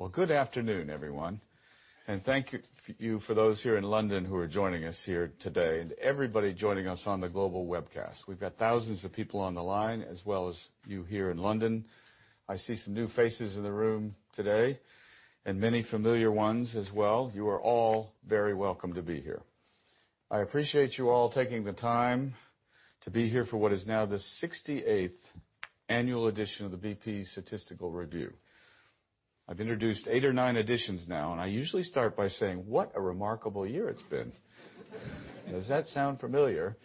Well, good afternoon, everyone. Thank you for those here in London who are joining us here today and everybody joining us on the global webcast. We've got thousands of people on the line as well as you here in London. I see some new faces in the room today, and many familiar ones as well. You are all very welcome to be here. I appreciate you all taking the time to be here for what is now the 68th annual edition of the BP Statistical Review. I've introduced eight or nine editions now, and I usually start by saying what a remarkable year it's been. Does that sound familiar?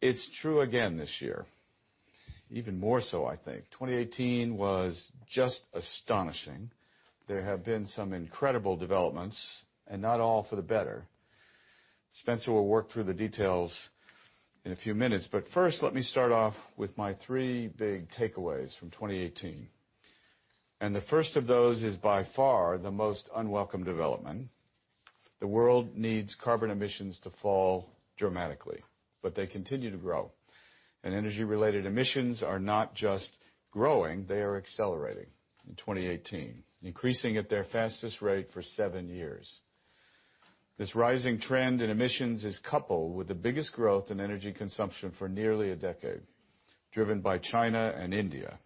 It's true again this year. Even more so, I think. 2018 was just astonishing. There have been some incredible developments, and not all for the better. Spencer will work through the details in a few minutes, but first, let me start off with my three big takeaways from 2018. The first of those is by far the most unwelcome development. The world needs carbon emissions to fall dramatically, but they continue to grow. Energy-related emissions are not just growing, they are accelerating in 2018, increasing at their fastest rate for seven years. This rising trend in emissions is coupled with the biggest growth in energy consumption for nearly a decade, driven by China and India,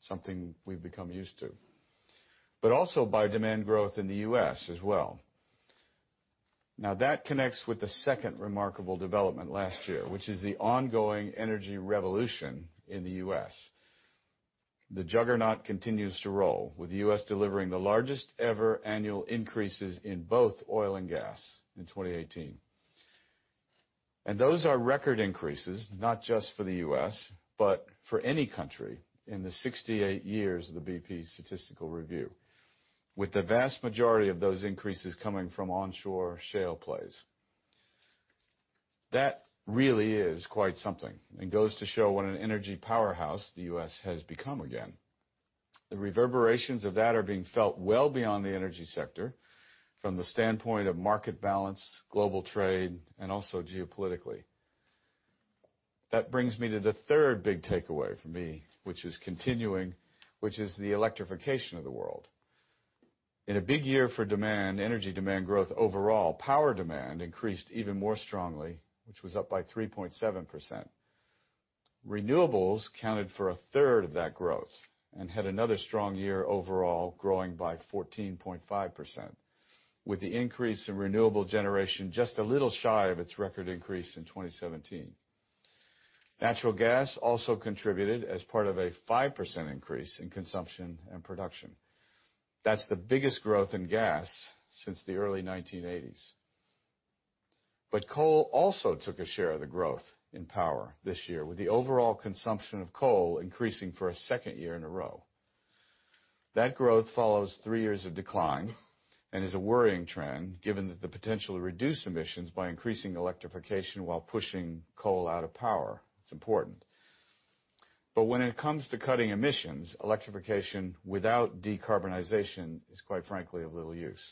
something we've become used to. Also by demand growth in the U.S. as well. Now, that connects with the second remarkable development last year, which is the ongoing energy revolution in the U.S. The juggernaut continues to roll, with the U.S. delivering the largest ever annual increases in both oil and gas in 2018. Those are record increases, not just for the U.S., but for any country in the 68 years of the BP Statistical Review. With the vast majority of those increases coming from onshore shale plays. That really is quite something and goes to show what an energy powerhouse the U.S. has become again. The reverberations of that are being felt well beyond the energy sector, from the standpoint of market balance, global trade, and also geopolitically. That brings me to the third big takeaway for me, which is continuing, which is the electrification of the world. In a big year for demand, energy demand growth overall, power demand increased even more strongly, which was up by 3.7%. Renewables accounted for a third of that growth and had another strong year overall, growing by 14.5%, with the increase in renewable generation just a little shy of its record increase in 2017. Natural gas also contributed as part of a 5% increase in consumption and production. That's the biggest growth in gas since the early 1980s. Coal also took a share of the growth in power this year, with the overall consumption of coal increasing for a second year in a row. That growth follows three years of decline and is a worrying trend given that the potential to reduce emissions by increasing electrification while pushing coal out of power. It's important. When it comes to cutting emissions, electrification without decarbonization is, quite frankly, of little use.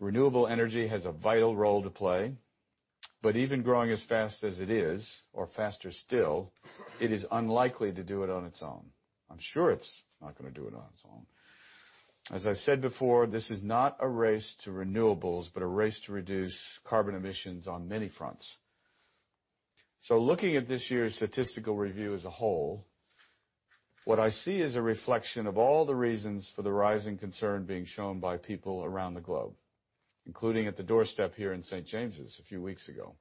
Renewable energy has a vital role to play, but even growing as fast as it is or faster still, it is unlikely to do it on its own. I'm sure it's not going to do it on its own. As I've said before, this is not a race to renewables, but a race to reduce carbon emissions on many fronts. Looking at this year's statistical review as a whole, what I see is a reflection of all the reasons for the rising concern being shown by people around the globe, including at the doorstep here in St. James's a few weeks ago.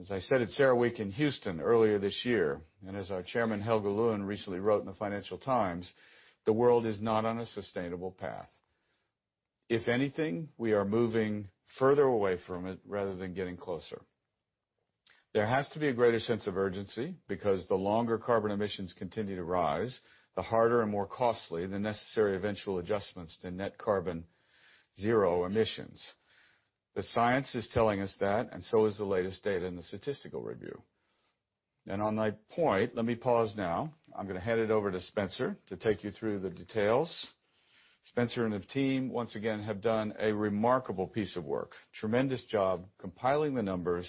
As I said at CERAWeek in Houston earlier this year, and as our Chairman, Helge Lund, recently wrote in the Financial Times, the world is not on a sustainable path. If anything, we are moving further away from it rather than getting closer. There has to be a greater sense of urgency because the longer carbon emissions continue to rise, the harder and more costly the necessary eventual adjustments to net carbon zero emissions. The science is telling us that, and so is the latest data in the statistical review. On that point, let me pause now. I'm going to hand it over to Spencer to take you through the details. Spencer and the team, once again, have done a remarkable piece of work, tremendous job compiling the numbers,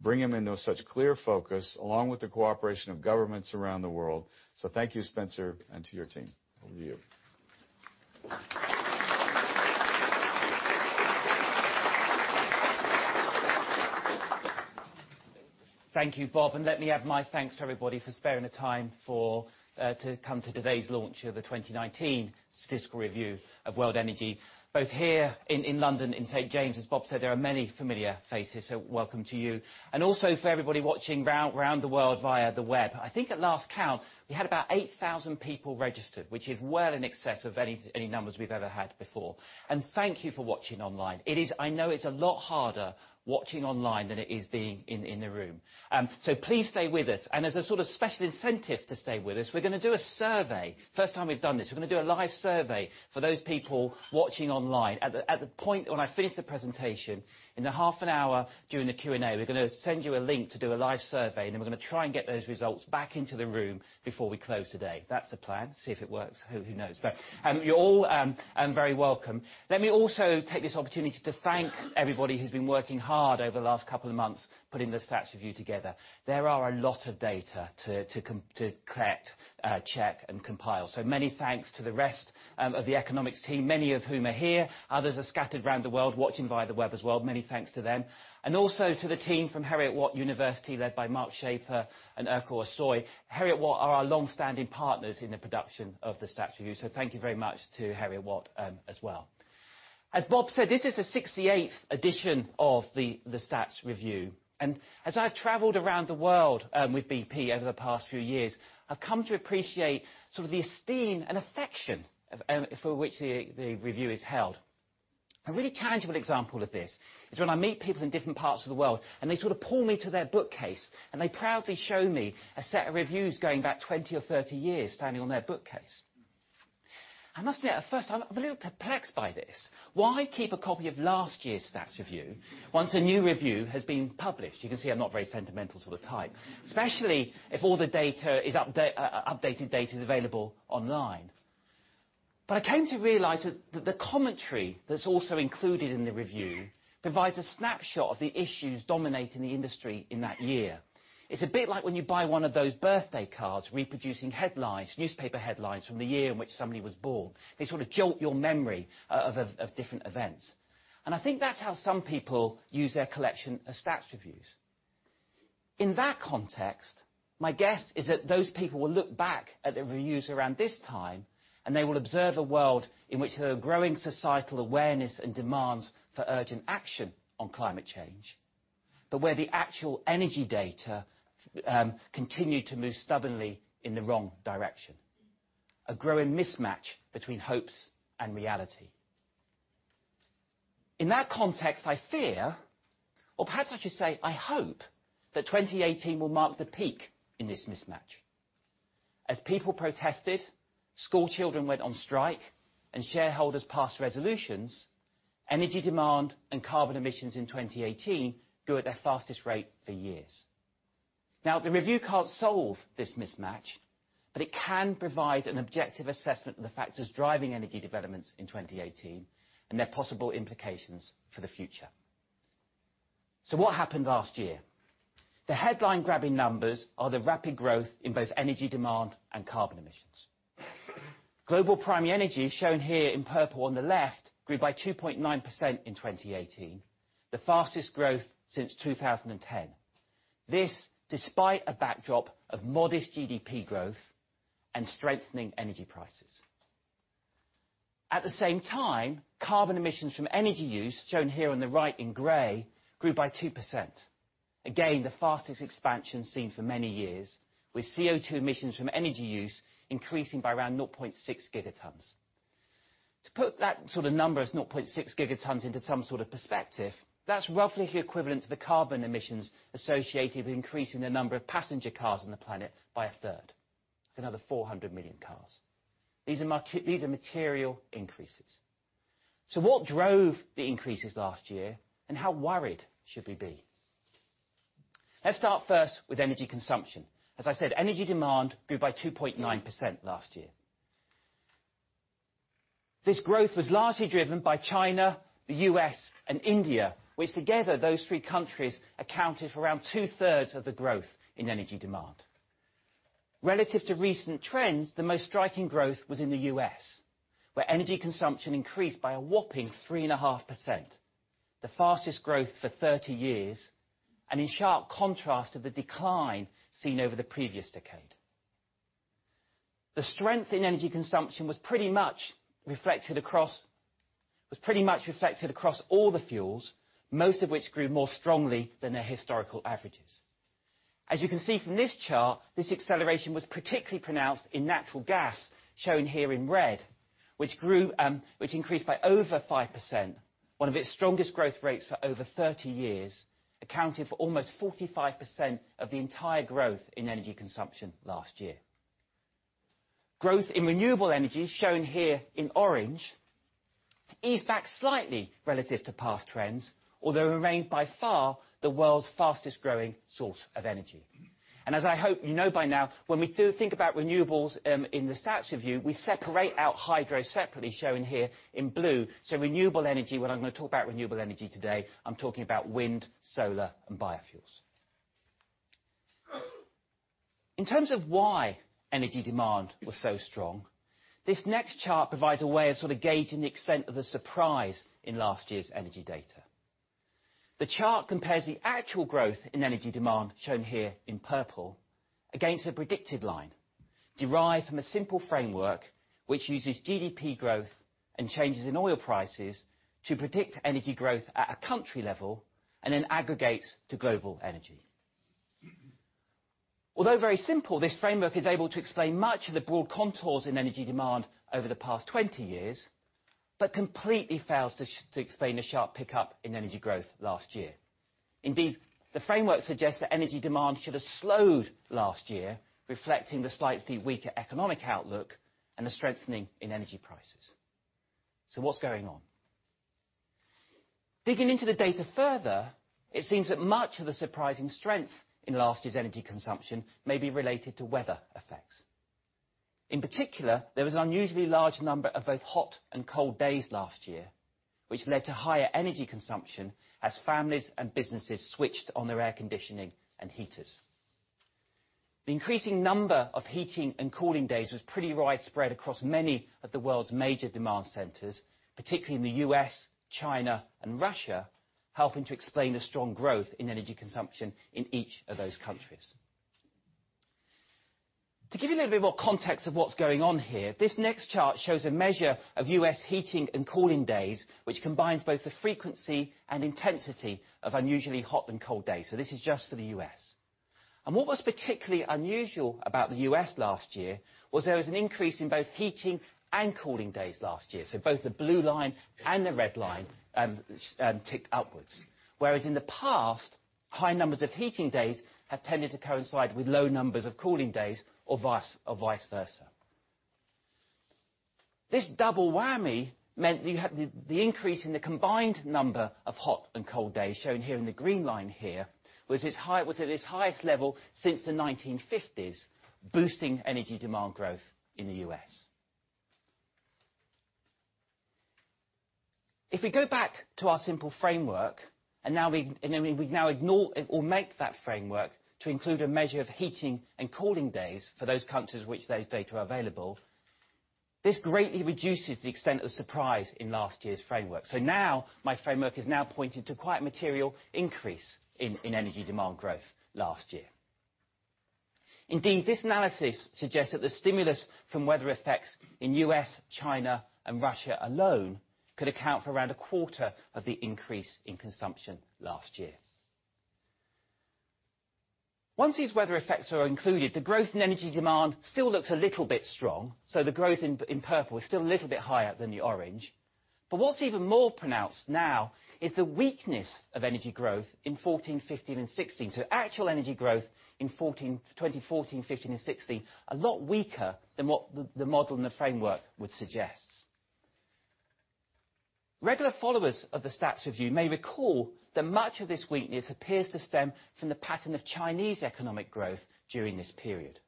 bring them into such clear focus, along with the cooperation of governments around the world. Thank you, Spencer, and to your team. Over to you. Thank you, Bob. Let me add my thanks to everybody for sparing the time to come to today's launch of the BP Statistical Review of World Energy 2019, both here in London, in St. James's. Bob said there are many familiar faces, welcome to you. Also for everybody watching round the world via the web. I think at last count, we had about 8,000 people registered, which is well in excess of any numbers we've ever had before. Thank you for watching online. I know it's a lot harder watching online than it is being in the room. Please stay with us. As a sort of special incentive to stay with us, we're going to do a survey. First time we've done this. We're going to do a live survey for those people watching online. At the point when I finish the presentation, in a half an hour during the Q&A, we're going to send you a link to do a live survey, and then we're going to try and get those results back into the room before we close today. That's the plan. See if it works. Who knows? You're all very welcome. Let me also take this opportunity to thank everybody who's been working hard over the last couple of months putting the stats review together. There are a lot of data to collect, check and compile. Many thanks to the rest of the economics team, many of whom are here, others are scattered around the world watching via the web as well. Many thanks to them. Also to the team from Heriot-Watt University, led by Mark Schaffer and Erkal Ersoy. Heriot-Watt are our longstanding partners in the production of the Stats Review, so thank you very much to Heriot-Watt as well. As Bob said, this is the 68th edition of the Stats Review. As I've traveled around the world with BP over the past few years, I've come to appreciate the esteem and affection for which the review is held. A really tangible example of this is when I meet people in different parts of the world, and they pull me to their bookcase, and they proudly show me a set of reviews going back 20 or 30 years standing on their bookcase. I must admit, at first, I'm a little perplexed by this. Why keep a copy of last year's Stats Review once a new review has been published? You can see I'm not very sentimental sort of type, especially if all the updated data is available online. I came to realize that the commentary that's also included in the review provides a snapshot of the issues dominating the industry in that year. It's a bit like when you buy one of those birthday cards reproducing headlines, newspaper headlines, from the year in which somebody was born. They sort of jolt your memory of different events. I think that's how some people use their collection of Stats Reviews. In that context, my guess is that those people will look back at the reviews around this time, and they will observe a world in which there is a growing societal awareness and demands for urgent action on climate change, but where the actual energy data continued to move stubbornly in the wrong direction, a growing mismatch between hopes and reality. In that context, I fear, or perhaps I should say, I hope, that 2018 will mark the peak in this mismatch. As people protested, schoolchildren went on strike, and shareholders passed resolutions, energy demand and carbon emissions in 2018 grew at their fastest rate for years. The review can't solve this mismatch, but it can provide an objective assessment of the factors driving energy developments in 2018, and their possible implications for the future. What happened last year? The headline grabbing numbers are the rapid growth in both energy demand and carbon emissions. Global primary energy, shown here in purple on the left, grew by 2.9% in 2018, the fastest growth since 2010. This, despite a backdrop of modest GDP growth and strengthening energy prices. At the same time, carbon emissions from energy use, shown here on the right in gray, grew by 2%. The fastest expansion seen for many years, with CO2 emissions from energy use increasing by around 0.6 gigatons. To put that sort of number as 0.6 gigatons into some sort of perspective, that's roughly equivalent to the carbon emissions associated with increasing the number of passenger cars on the planet by a third, another 400 million cars. These are material increases. What drove the increases last year, and how worried should we be? Let's start first with energy consumption. As I said, energy demand grew by 2.9% last year. This growth was largely driven by China, the U.S., and India, which together, those three countries accounted for around two-thirds of the growth in energy demand. Relative to recent trends, the most striking growth was in the U.S., where energy consumption increased by a whopping 3.5%, the fastest growth for 30 years, in sharp contrast to the decline seen over the previous decade. The strength in energy consumption was pretty much reflected across all the fuels, most of which grew more strongly than their historical averages. As you can see from this chart, this acceleration was particularly pronounced in natural gas, shown here in red, which increased by over 5%, one of its strongest growth rates for over 30 years, accounting for almost 45% of the entire growth in energy consumption last year. Growth in renewable energy, shown here in orange, eased back slightly relative to past trends, although it remained by far the world's fastest-growing source of energy. As I hope you know by now, when we do think about renewables in the Stats review, we separate out hydro separately, shown here in blue. Renewable energy, when I'm going to talk about renewable energy today, I'm talking about wind, solar, and biofuels. In terms of why energy demand was so strong, this next chart provides a way of sort of gauging the extent of the surprise in last year's energy data. The chart compares the actual growth in energy demand, shown here in purple, against a predicted line derived from a simple framework, which uses GDP growth and changes in oil prices to predict energy growth at a country level, then aggregates to global energy. Although very simple, this framework is able to explain much of the broad contours in energy demand over the past 20 years, completely fails to explain the sharp pickup in energy growth last year. Indeed, the framework suggests that energy demand should have slowed last year, reflecting the slightly weaker economic outlook and the strengthening in energy prices. What's going on? Digging into the data further, it seems that much of the surprising strength in last year's energy consumption may be related to weather effects. In particular, there was an unusually large number of both hot and cold days last year, which led to higher energy consumption as families and businesses switched on their air conditioning and heaters. The increasing number of heating and cooling days was pretty widespread across many of the world's major demand centers, particularly in the U.S., China, and Russia, helping to explain the strong growth in energy consumption in each of those countries. To give you a little bit more context of what's going on here, this next chart shows a measure of U.S. heating and cooling days, which combines both the frequency and intensity of unusually hot and cold days. This is just for the U.S. What was particularly unusual about the U.S. last year was there was an increase in both heating and cooling days last year, so both the blue line and the red line ticked upwards. Whereas in the past, high numbers of heating days have tended to coincide with low numbers of cooling days, or vice versa. This double whammy meant you had the increase in the combined number of hot and cold days, shown here in the green line, was at its highest level since the 1950s, boosting energy demand growth in the U.S. If we go back to our simple framework, then we now ignore or make that framework to include a measure of heating and cooling days for those countries which those data are available, this greatly reduces the extent of surprise in last year's framework. Now my framework is now pointing to quite a material increase in energy demand growth last year. Indeed, this analysis suggests that the stimulus from weather effects in U.S., China, and Russia alone could account for around a quarter of the increase in consumption last year. Once these weather effects are included, the growth in energy demand still looks a little bit strong. The growth in purple is still a little bit higher than the orange. What's even more pronounced now is the weakness of energy growth in 2014, 2015, and 2016. Actual energy growth in 2014, 2015, and 2016, are a lot weaker than what the model and the framework would suggest. Regular followers of the stats review may recall that much of this weakness appears to stem from the pattern of Chinese economic growth during this period.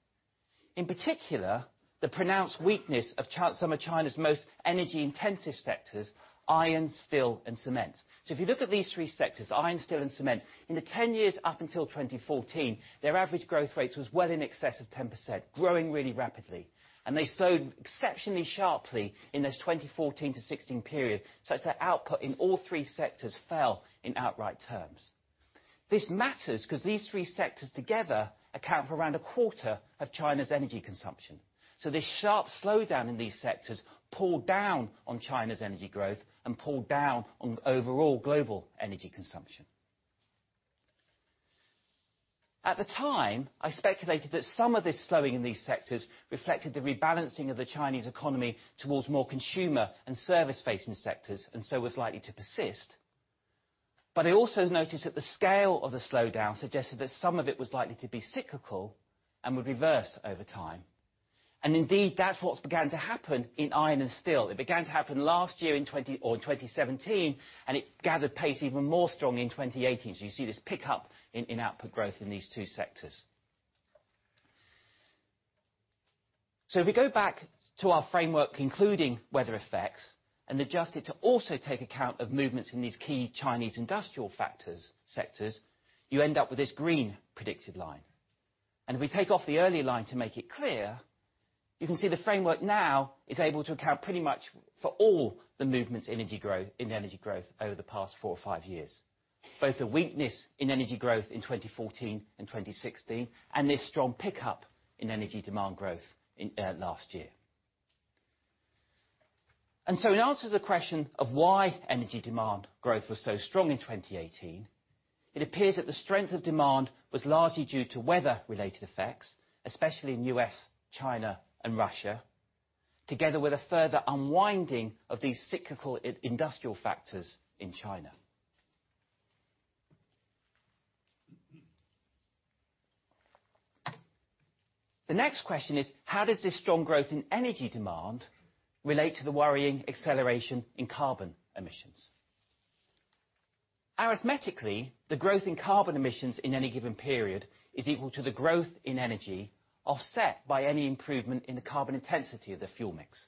In particular, the pronounced weakness of some of China's most energy-intensive sectors, iron, steel, and cement. If you look at these three sectors, iron, steel, and cement, in the 10 years up until 2014, their average growth rates was well in excess of 10%, growing really rapidly, and they slowed exceptionally sharply in this 2014 to 2016 period, such that output in all three sectors fell in outright terms. This matters because these three sectors together account for around a quarter of China's energy consumption. This sharp slowdown in these sectors pulled down on China's energy growth and pulled down on overall global energy consumption. At the time, I speculated that some of this slowing in these sectors reflected the rebalancing of the Chinese economy towards more consumer and service-facing sectors, and so was likely to persist. I also noticed that the scale of the slowdown suggested that some of it was likely to be cyclical and would reverse over time. Indeed, that's what's began to happen in iron and steel. It began to happen last year, in 2017, and it gathered pace even more strongly in 2018. You see this pickup in output growth in these two sectors. If we go back to our framework, including weather effects, and adjust it to also take account of movements in these key Chinese industrial factors sectors, you end up with this green predicted line. If we take off the earlier line to make it clear, you can see the framework now is able to account pretty much for all the movements in energy growth over the past four or five years, both the weakness in energy growth in 2014 and 2016, and this strong pickup in energy demand growth last year. In answer to the question of why energy demand growth was so strong in 2018, it appears that the strength of demand was largely due to weather-related effects, especially in U.S., China, and Russia, together with a further unwinding of these cyclical industrial factors in China. The next question is, how does this strong growth in energy demand relate to the worrying acceleration in carbon emissions? Arithmetically, the growth in carbon emissions in any given period is equal to the growth in energy, offset by any improvement in the carbon intensity of the fuel mix.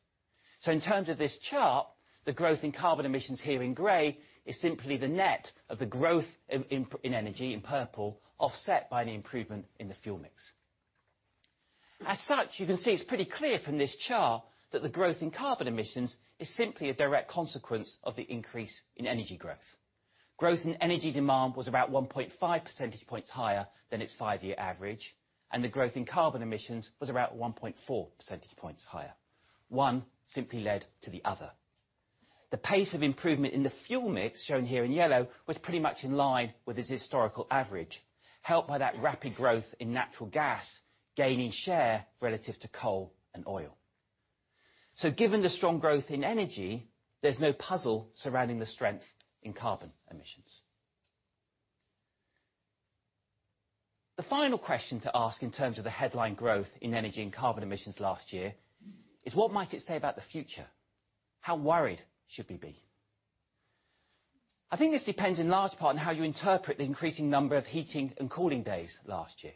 In terms of this chart, the growth in carbon emissions here in gray is simply the net of the growth in energy, in purple, offset by any improvement in the fuel mix. As such, you can see it's pretty clear from this chart that the growth in carbon emissions is simply a direct consequence of the increase in energy growth. Growth in energy demand was about 1.5 percentage points higher than its five-year average, and the growth in carbon emissions was about 1.4 percentage points higher. One simply led to the other. The pace of improvement in the fuel mix, shown here in yellow, was pretty much in line with its historical average, helped by that rapid growth in natural gas gaining share relative to coal and oil. Given the strong growth in energy, there's no puzzle surrounding the strength in carbon emissions. The final question to ask in terms of the headline growth in energy and carbon emissions last year is what might it say about the future? How worried should we be? I think this depends in large part on how you interpret the increasing number of heating and cooling days last year.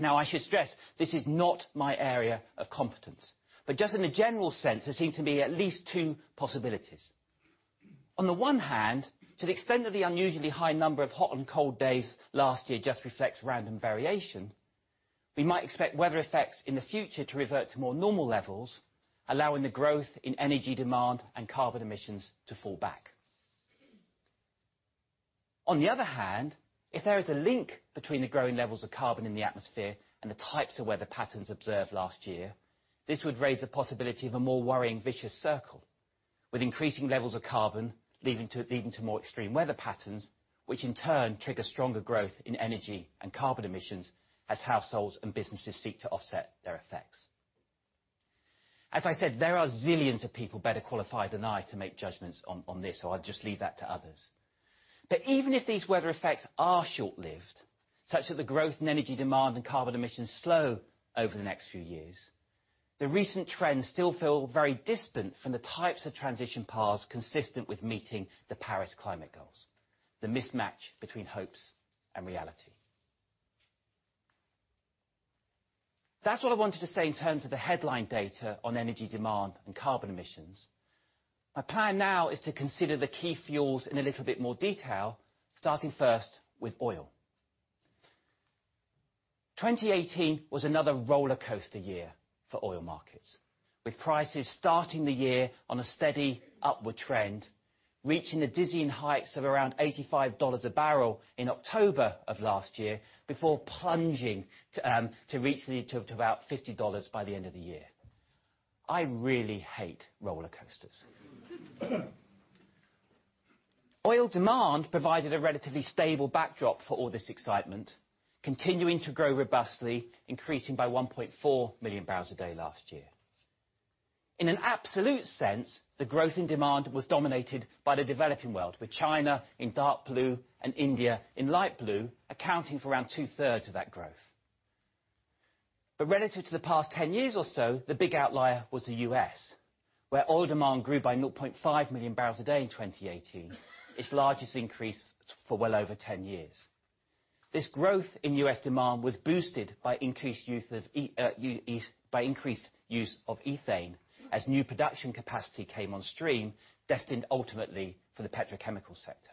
I should stress this is not my area of competence, but just in a general sense, there seem to be at least two possibilities. On the one hand, to the extent that the unusually high number of hot and cold days last year just reflects random variation, we might expect weather effects in the future to revert to more normal levels, allowing the growth in energy demand and carbon emissions to fall back. On the other hand, if there is a link between the growing levels of carbon in the atmosphere and the types of weather patterns observed last year, this would raise the possibility of a more worrying vicious circle, with increasing levels of carbon leading to more extreme weather patterns, which in turn trigger stronger growth in energy and carbon emissions as households and businesses seek to offset their effects. As I said, there are zillions of people better qualified than I to make judgments on this, I'll just leave that to others. Even if these weather effects are short-lived, such that the growth in energy demand and carbon emissions slow over the next few years, the recent trends still feel very distant from the types of transition paths consistent with meeting the Paris climate goals, the mismatch between hopes and reality. That's what I wanted to say in terms of the headline data on energy demand and carbon emissions. My plan now is to consider the key fuels in a little bit more detail, starting first with oil. 2018 was another rollercoaster year for oil markets, with prices starting the year on a steady upward trend, reaching the dizzying heights of around $85 a barrel in October of last year before plunging recently to about $50 by the end of the year. I really hate rollercoasters. Oil demand provided a relatively stable backdrop for all this excitement, continuing to grow robustly, increasing by 1.4 million barrels a day last year. In an absolute sense, the growth in demand was dominated by the developing world, with China in dark blue and India in light blue, accounting for around two-thirds of that growth. Relative to the past 10 years or so, the big outlier was the U.S., where oil demand grew by 0.5 million barrels a day in 2018, its largest increase for well over 10 years. This growth in U.S. demand was boosted by increased use of ethane, as new production capacity came on stream, destined ultimately for the petrochemical sector.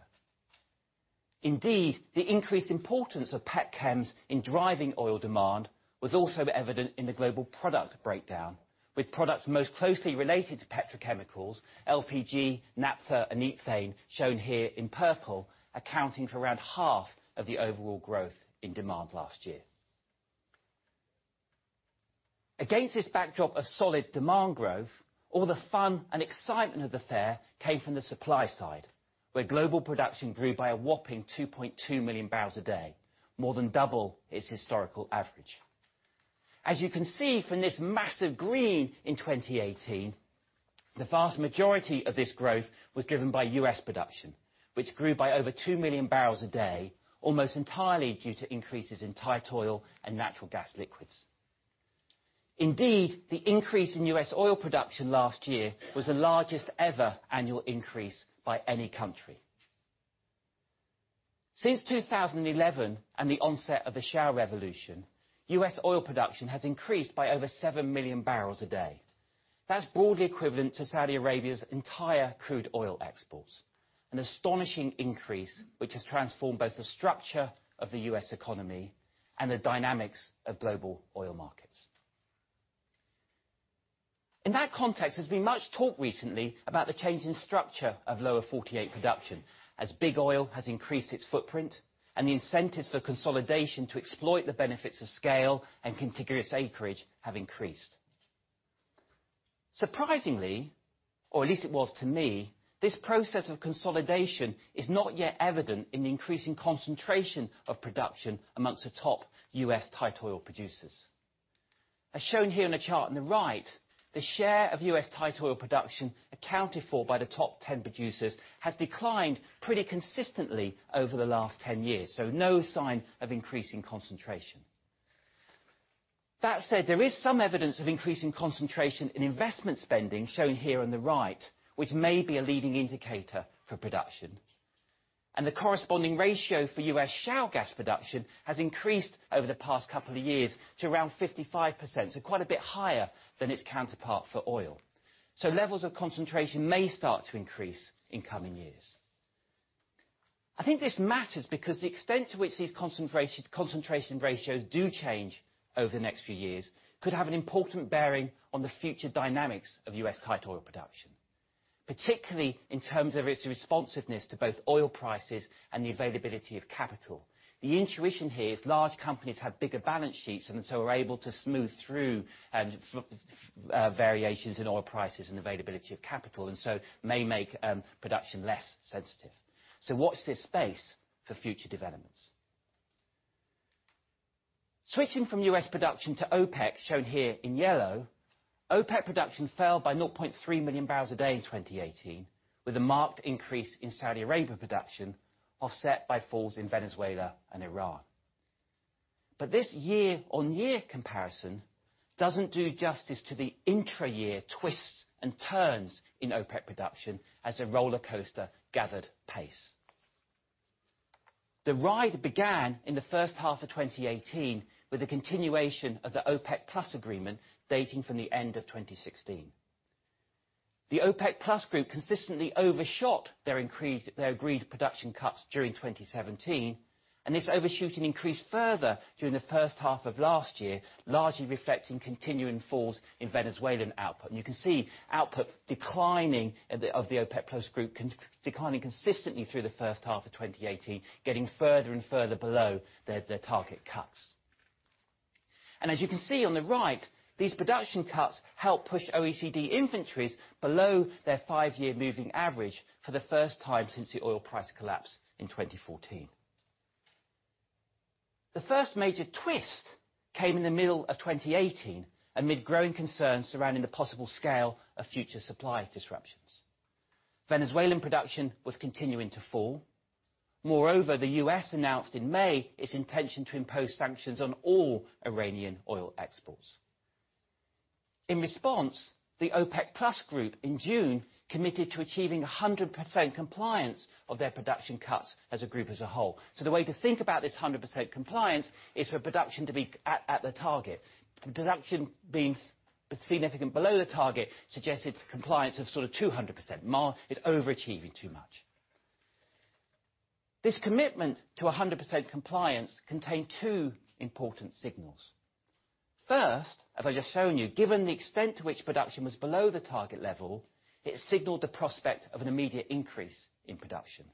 The increased importance of petchems in driving oil demand was also evident in the global product breakdown, with products most closely related to petrochemicals, LPG, naphtha, and ethane, shown here in purple, accounting for around half of the overall growth in demand last year. Against this backdrop of solid demand growth, all the fun and excitement of the fair came from the supply side, where global production grew by a whopping 2.2 million barrels a day, more than double its historical average. You can see from this massive green in 2018, the vast majority of this growth was driven by U.S. production, which grew by over 2 million barrels a day, almost entirely due to increases in tight oil and natural gas liquids. The increase in U.S. oil production last year was the largest ever annual increase by any country. Since 2011, and the onset of the shale revolution, U.S. oil production has increased by over 7 million barrels a day. That's broadly equivalent to Saudi Arabia's entire crude oil exports. An astonishing increase, which has transformed both the structure of the U.S. economy and the dynamics of global oil markets. In that context, there's been much talk recently about the change in structure of Lower 48 production, as big oil has increased its footprint, and the incentives for consolidation to exploit the benefits of scale and contiguous acreage have increased. Surprisingly, or at least it was to me, this process of consolidation is not yet evident in the increasing concentration of production amongst the top U.S. tight oil producers. As shown here in the chart on the right, the share of U.S. tight oil production accounted for by the top 10 producers has declined pretty consistently over the last 10 years, so no sign of increasing concentration. That said, there is some evidence of increasing concentration in investment spending, shown here on the right, which may be a leading indicator for production. The corresponding ratio for U.S. shale gas production has increased over the past couple of years to around 55%, so quite a bit higher than its counterpart for oil. Levels of concentration may start to increase in coming years. I think this matters because the extent to which these concentration ratios do change over the next few years could have an important bearing on the future dynamics of U.S. tight oil production, particularly in terms of its responsiveness to both oil prices and the availability of capital. The intuition here is large companies have bigger balance sheets and so are able to smooth through variations in oil prices and availability of capital, may make production less sensitive. Watch this space for future developments. Switching from U.S. production to OPEC, shown here in yellow, OPEC production fell by 0.3 million barrels a day in 2018, with a marked increase in Saudi Arabia production offset by falls in Venezuela and Iran. This year-on-year comparison doesn't do justice to the intra-year twists and turns in OPEC production as the rollercoaster gathered pace. The ride began in the first half of 2018 with the continuation of the OPEC+ agreement dating from the end of 2016. The OPEC+ group consistently overshot their agreed production cuts during 2017, this overshooting increased further during the first half of last year, largely reflecting continuing falls in Venezuelan output. You can see output declining, of the OPEC+ group, declining consistently through the first half of 2018, getting further and further below their target cuts. As you can see on the right, these production cuts help push OECD inventories below their five-year moving average for the first time since the oil price collapse in 2014. The first major twist came in the middle of 2018 amid growing concerns surrounding the possible scale of future supply disruptions. Venezuelan production was continuing to fall. Moreover, the U.S. announced in May its intention to impose sanctions on all Iranian oil exports. In response, the OPEC+ group in June committed to achieving 100% compliance of their production cuts as a group as a whole. The way to think about this 100% compliance is for production to be at the target. Production being significant below the target suggested compliance of sort of 200%, it's overachieving too much. This commitment to 100% compliance contained two important signals. First, as I've just shown you, given the extent to which production was below the target level, it signaled the prospect of an immediate increase in production.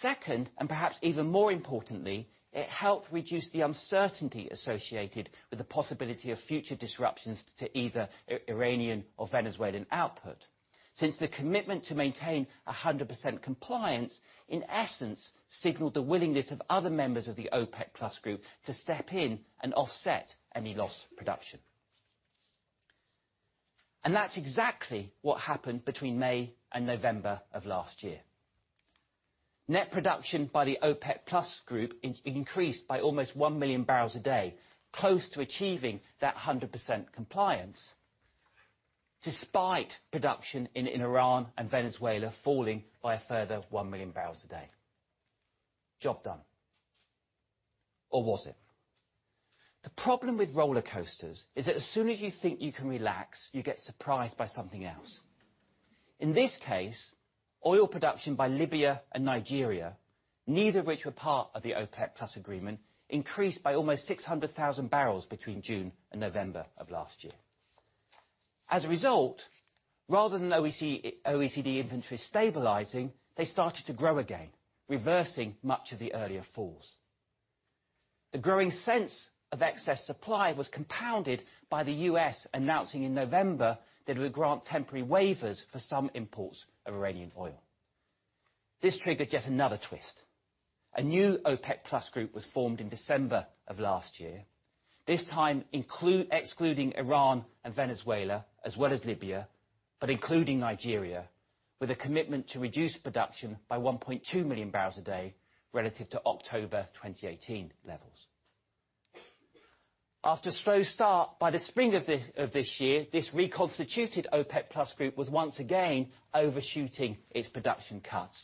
Second, perhaps even more importantly, it helped reduce the uncertainty associated with the possibility of future disruptions to either Iranian or Venezuelan output. Since the commitment to maintain 100% compliance, in essence signaled the willingness of other members of the OPEC+ group to step in and offset any lost production. That's exactly what happened between May and November of last year. Net production by the OPEC+ group increased by almost one million barrels a day, close to achieving that 100% compliance, despite production in Iran and Venezuela falling by a further one million barrels a day. Job done. Or was it? The problem with roller coasters is that as soon as you think you can relax, you get surprised by something else. In this case, oil production by Libya and Nigeria, neither of which were part of the OPEC+ agreement, increased by almost 600,000 barrels between June and November of last year. As a result, rather than OECD inventory stabilizing, they started to grow again, reversing much of the earlier falls. The growing sense of excess supply was compounded by the U.S. announcing in November that it would grant temporary waivers for some imports of Iranian oil. This triggered yet another twist. A new OPEC+ group was formed in December of last year. This time excluding Iran and Venezuela, as well as Libya, but including Nigeria, with a commitment to reduce production by 1.2 million barrels a day relative to October 2018 levels. After a slow start, by the spring of this year, this reconstituted OPEC+ group was once again overshooting its production cuts.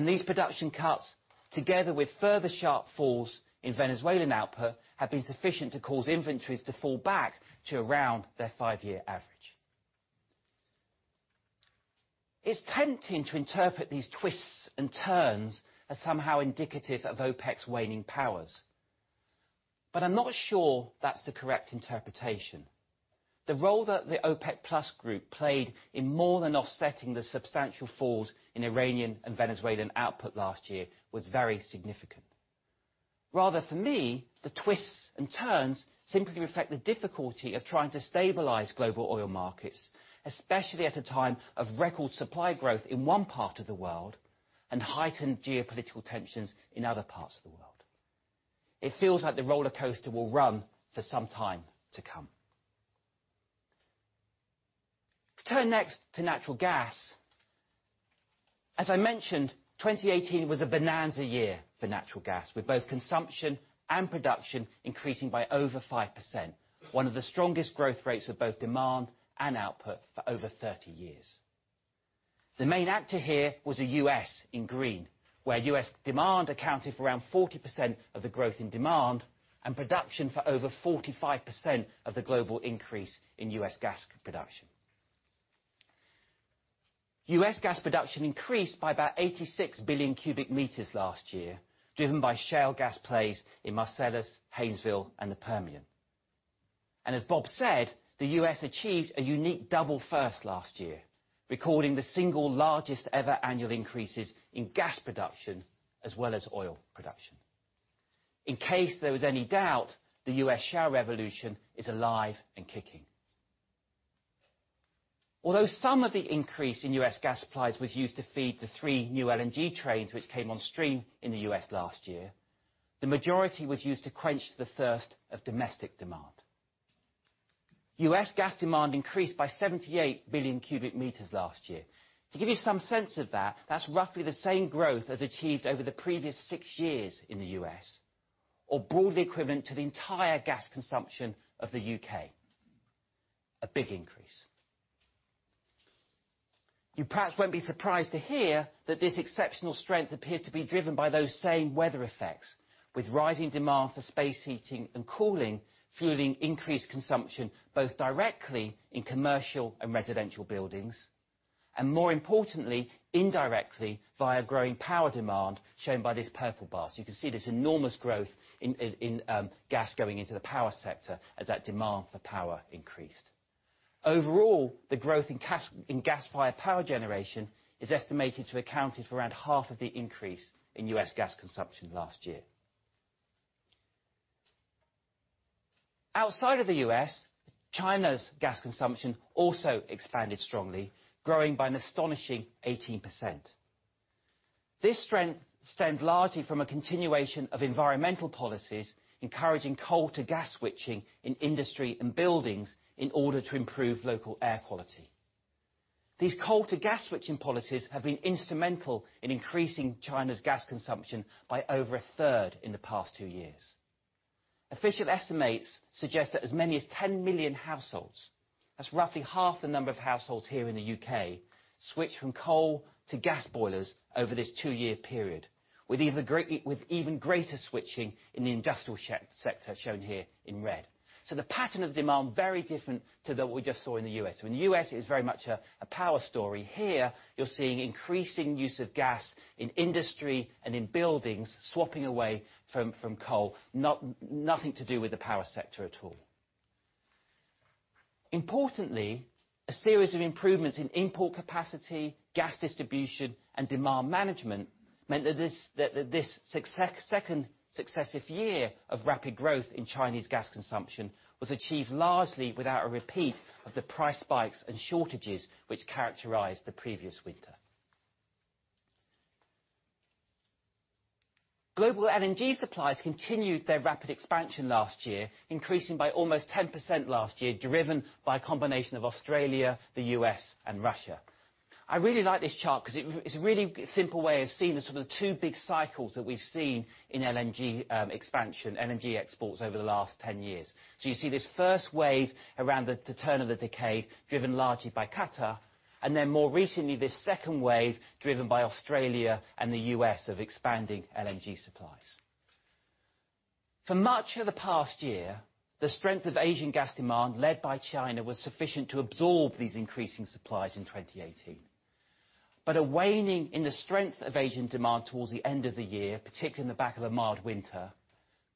These production cuts, together with further sharp falls in Venezuelan output, have been sufficient to cause inventories to fall back to around their five-year average. It's tempting to interpret these twists and turns as somehow indicative of OPEC's waning powers, but I'm not sure that's the correct interpretation. The role that the OPEC+ group played in more than offsetting the substantial falls in Iranian and Venezuelan output last year was very significant. Rather for me, the twists and turns simply reflect the difficulty of trying to stabilize global oil markets, especially at a time of record supply growth in one part of the world and heightened geopolitical tensions in other parts of the world. It feels like the roller coaster will run for some time to come. To turn next to natural gas. As I mentioned, 2018 was a bonanza year for natural gas, with both consumption and production increasing by over 5%, one of the strongest growth rates of both demand and output for over 30 years. The main actor here was the U.S., in green, where U.S. demand accounted for around 40% of the growth in demand and production for over 45% of the global increase in U.S. gas production. U.S. gas production increased by about 86 billion cubic meters last year, driven by shale gas plays in Marcellus, Haynesville, and the Permian. As Bob said, the U.S. achieved a unique double first last year, recording the single largest ever annual increases in gas production as well as oil production. In case there was any doubt, the U.S. shale revolution is alive and kicking. Although some of the increase in U.S. gas supplies was used to feed the three new LNG trains which came on stream in the U.S. last year, the majority was used to quench the thirst of domestic demand. U.S. gas demand increased by 78 billion cubic meters last year. To give you some sense of that's roughly the same growth as achieved over the previous six years in the U.S., or broadly equivalent to the entire gas consumption of the U.K. A big increase. You perhaps won't be surprised to hear that this exceptional strength appears to be driven by those same weather effects, with rising demand for space heating and cooling fueling increased consumption both directly in commercial and residential buildings, and more importantly, indirectly via growing power demand, shown by this purple bar. You can see this enormous growth in gas going into the power sector as that demand for power increased. Overall, the growth in gas-fired power generation is estimated to have accounted for around half of the increase in U.S. gas consumption last year. Outside of the U.S., China's gas consumption also expanded strongly, growing by an astonishing 18%. This strength stemmed largely from a continuation of environmental policies encouraging coal to gas switching in industry and buildings in order to improve local air quality. These coal to gas switching policies have been instrumental in increasing China's gas consumption by over a third in the past two years. Official estimates suggest that as many as 10 million households, that's roughly half the number of households here in the U.K., switched from coal to gas boilers over this two-year period, with even greater switching in the industrial sector, shown here in red. The pattern of demand, very different to that what we just saw in the U.S. In the U.S., it is very much a power story. Here, you're seeing increasing use of gas in industry and in buildings, swapping away from coal. Nothing to do with the power sector at all. Importantly, a series of improvements in import capacity, gas distribution, and demand management meant that this second successive year of rapid growth in Chinese gas consumption was achieved largely without a repeat of the price spikes and shortages which characterized the previous winter. Global LNG supplies continued their rapid expansion last year, increasing by almost 10% last year, driven by a combination of Australia, the U.S., and Russia. I really like this chart because it's a really simple way of seeing the sort of two big cycles that we've seen in LNG expansion, LNG exports over the last 10 years. You see this first wave around the turn of the decade, driven largely by Qatar, and then more recently, this second wave, driven by Australia and the U.S. of expanding LNG supplies. For much of the past year, the strength of Asian gas demand, led by China, was sufficient to absorb these increasing supplies in 2018. A waning in the strength of Asian demand towards the end of the year, particularly in the back of a mild winter,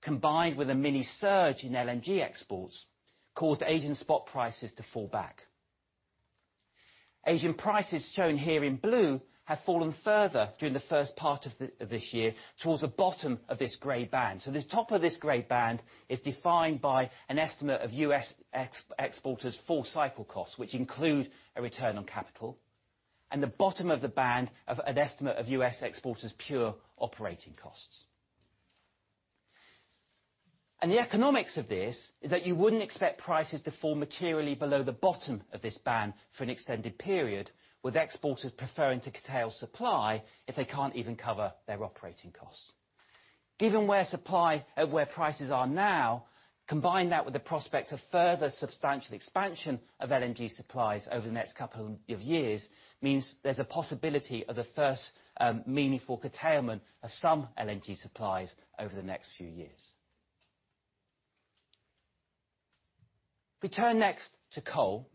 combined with a mini-surge in LNG exports, caused Asian spot prices to fall back. Asian prices, shown here in blue, have fallen further during the first part of this year towards the bottom of this gray band. This top of this gray band is defined by an estimate of U.S. exporters' full cycle costs, which include a return on capital, and the bottom of the band of an estimate of U.S. exporters' pure operating costs. The economics of this is that you wouldn't expect prices to fall materially below the bottom of this band for an extended period, with exporters preferring to curtail supply if they can't even cover their operating costs. Given where prices are now, combine that with the prospect of further substantial expansion of LNG supplies over the next couple of years, means there's a possibility of the first meaningful curtailment of some LNG supplies over the next few years. If we turn next to coal.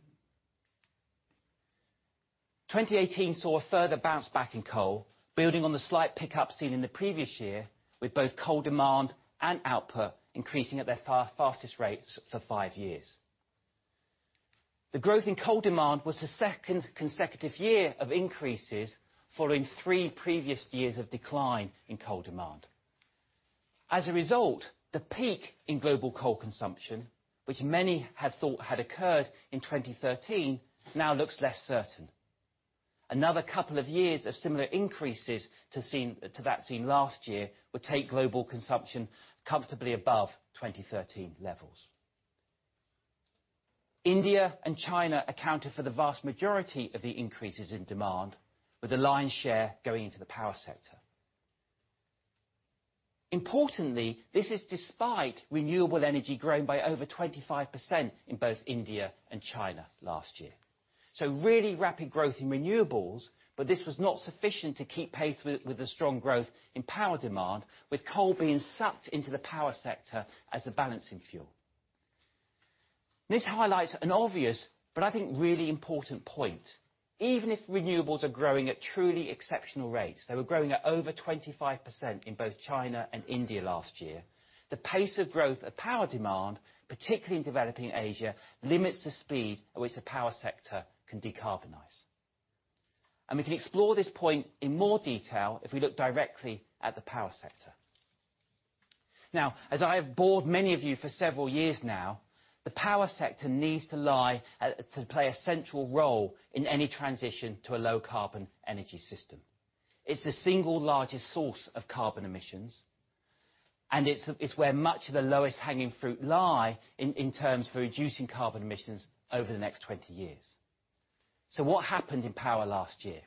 2018 saw a further bounce back in coal, building on the slight pickup seen in the previous year, with both coal demand and output increasing at their fastest rates for five years. The growth in coal demand was the second consecutive year of increases following three previous years of decline in coal demand. The peak in global coal consumption, which many had thought had occurred in 2013, now looks less certain. Another couple of years of similar increases to that seen last year would take global consumption comfortably above 2013 levels. India and China accounted for the vast majority of the increases in demand, with the lion's share going into the power sector. This is despite renewable energy growing by over 25% in both India and China last year. Really rapid growth in renewables, this was not sufficient to keep pace with the strong growth in power demand, with coal being sucked into the power sector as a balancing fuel. This highlights an obvious, I think really important point. Even if renewables are growing at truly exceptional rates, they were growing at over 25% in both China and India last year. The pace of growth of power demand, particularly in developing Asia, limits the speed at which the power sector can decarbonize. We can explore this point in more detail if we look directly at the power sector. As I have bored many of you for several years now, the power sector needs to play a central role in any transition to a low carbon energy system. It's the single largest source of carbon emissions, and it's where much of the lowest hanging fruit lie in terms for reducing carbon emissions over the next 20 years. What happened in power last year?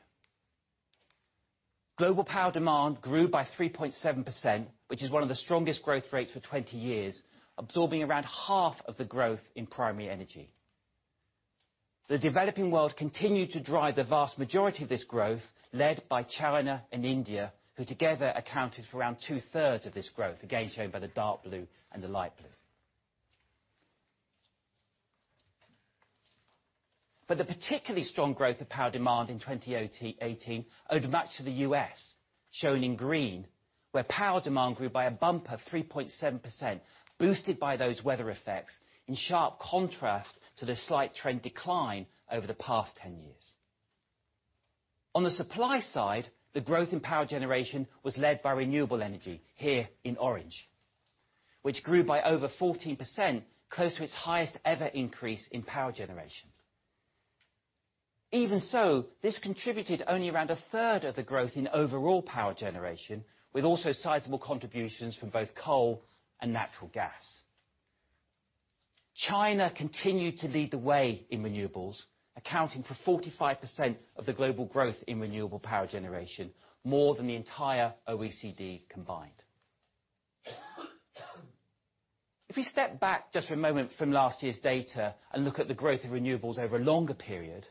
Global power demand grew by 3.7%, which is one of the strongest growth rates for 20 years, absorbing around half of the growth in primary energy. The developing world continued to drive the vast majority of this growth, led by China and India, who together accounted for around two-thirds of this growth, again, shown by the dark blue and the light blue. The particularly strong growth of power demand in 2018 owed much to the U.S., shown in green, where power demand grew by a bumper 3.7%, boosted by those weather effects, in sharp contrast to the slight trend decline over the past 10 years. On the supply side, the growth in power generation was led by renewable energy, here in orange, which grew by over 14%, close to its highest ever increase in power generation. Even so, this contributed only around a third of the growth in overall power generation, with also sizable contributions from both coal and natural gas. China continued to lead the way in renewables, accounting for 45% of the global growth in renewable power generation, more than the entire OECD combined. We step back just for a moment from last year's data and look at the growth of renewables over a longer period,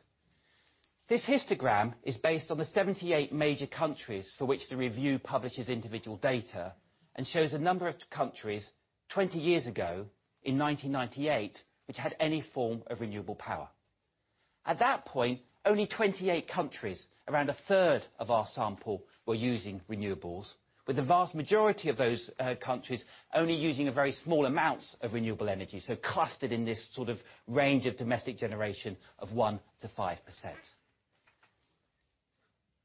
this histogram is based on the 78 major countries for which the review publishes individual data and shows the number of countries 20 years ago, in 1998, which had any form of renewable power. At that point, only 28 countries, around a third of our sample, were using renewables, with the vast majority of those countries only using very small amounts of renewable energy, so clustered in this range of domestic generation of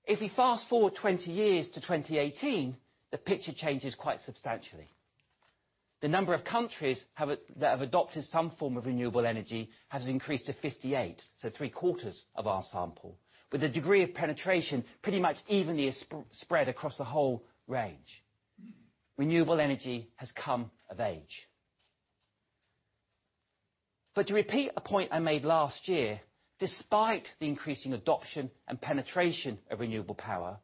1%-5%. We fast-forward 20 years to 2018, the picture changes quite substantially. The number of countries that have adopted some form of renewable energy has increased to 58, so three-quarters of our sample, with a degree of penetration pretty much evenly spread across the whole range. Renewable energy has come of age. To repeat a point I made last year, despite the increasing adoption and penetration of renewable power,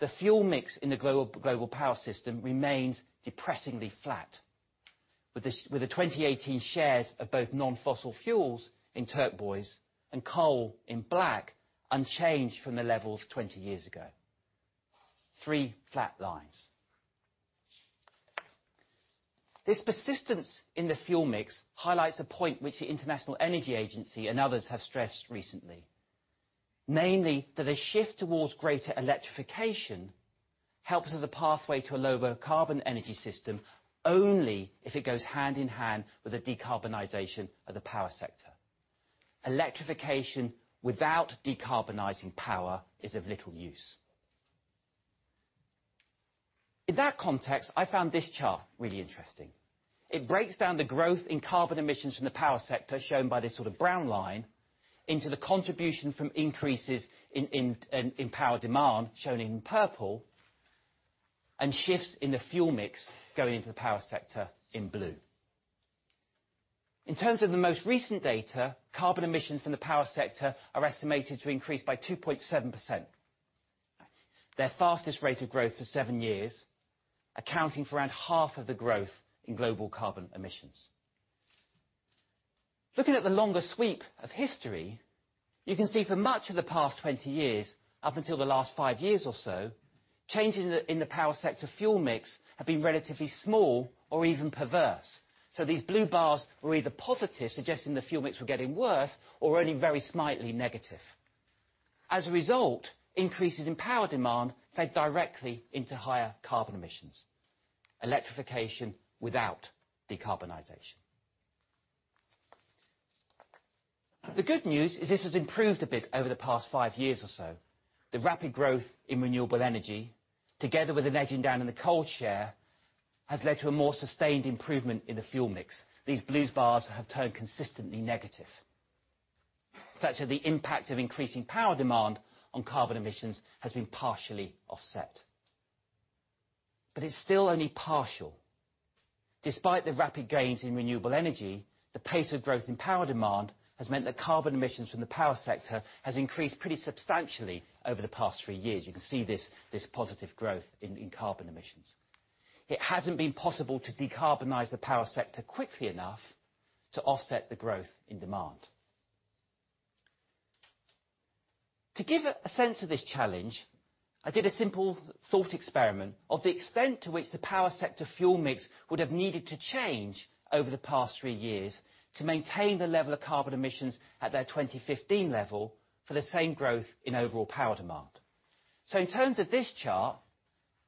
the fuel mix in the global power system remains depressingly flat. With the 2018 shares of both non-fossil fuels, in turquoise, and coal, in black, unchanged from the levels 20 years ago. Three flat lines. This persistence in the fuel mix highlights a point which the International Energy Agency and others have stressed recently. Namely, that a shift towards greater electrification helps as a pathway to a lower carbon energy system only if it goes hand-in-hand with a decarbonization of the power sector. Electrification without decarbonizing power is of little use. In that context, I found this chart really interesting. It breaks down the growth in carbon emissions from the power sector, shown by this brown line, into the contribution from increases in power demand, shown in purple, and shifts in the fuel mix going into the power sector in blue. In terms of the most recent data, carbon emissions from the power sector are estimated to increase by 2.7%, their fastest rate of growth for seven years, accounting for around half of the growth in global carbon emissions. Looking at the longer sweep of history, you can see for much of the past 20 years, up until the last five years or so, changes in the power sector fuel mix have been relatively small or even perverse. These blue bars were either positive, suggesting the fuel mix were getting worse, or only very slightly negative. As a result, increases in power demand fed directly into higher carbon emissions. Electrification without decarbonization. The good news is this has improved a bit over the past five years or so. The rapid growth in renewable energy, together with an edging down in the coal share, has led to a more sustained improvement in the fuel mix. These blue bars have turned consistently negative, such that the impact of increasing power demand on carbon emissions has been partially offset. It's still only partial. Despite the rapid gains in renewable energy, the pace of growth in power demand has meant that carbon emissions from the power sector has increased pretty substantially over the past three years. You can see this positive growth in carbon emissions. It hasn't been possible to decarbonize the power sector quickly enough to offset the growth in demand. To give a sense of this challenge, I did a simple thought experiment of the extent to which the power sector fuel mix would have needed to change over the past three years to maintain the level of carbon emissions at their 2015 level for the same growth in overall power demand. In terms of this chart,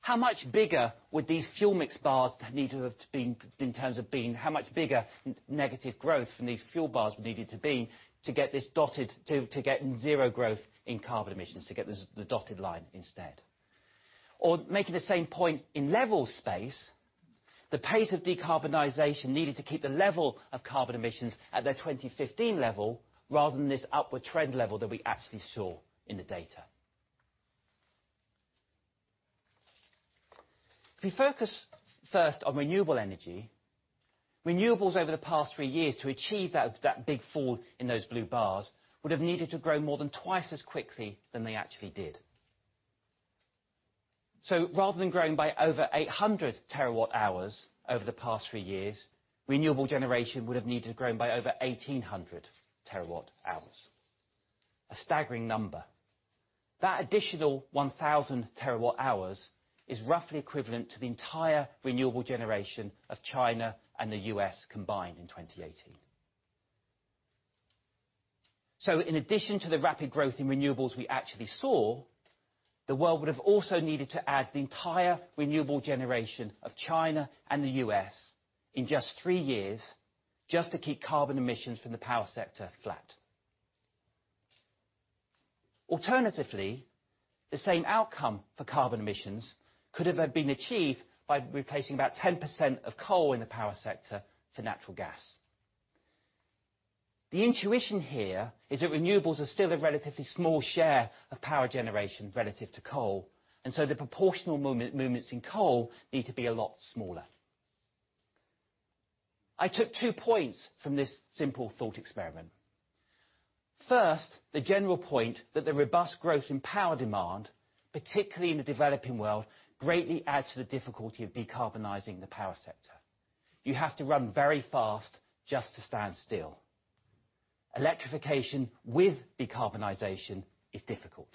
how much bigger would these fuel mix bars need to have been in terms of how much bigger negative growth from these fuel bars would needed to be to get zero growth in carbon emissions, to get the dotted line instead? Making the same point in level space, the pace of decarbonization needed to keep the level of carbon emissions at their 2015 level rather than this upward trend level that we actually saw in the data. If we focus first on renewable energy, renewables over the past three years to achieve that big fall in those blue bars, would've needed to grow more than twice as quickly than they actually did. Rather than growing by over 800 terawatt hours over the past three years, renewable generation would've needed to have grown by over 1,800 terawatt hours. A staggering number. That additional 1,000 terawatt hours is roughly equivalent to the entire renewable generation of China and the U.S. combined in 2018. In addition to the rapid growth in renewables we actually saw, the world would've also needed to add the entire renewable generation of China and the U.S. in just three years, just to keep carbon emissions from the power sector flat. Alternatively, the same outcome for carbon emissions could have been achieved by replacing about 10% of coal in the power sector for natural gas. The intuition here is that renewables are still a relatively small share of power generation relative to coal, and so the proportional movements in coal need to be a lot smaller. I took two points from this simple thought experiment. First, the general point that the robust growth in power demand, particularly in the developing world, greatly adds to the difficulty of decarbonizing the power sector. You have to run very fast just to stand still. Electrification with decarbonization is difficult.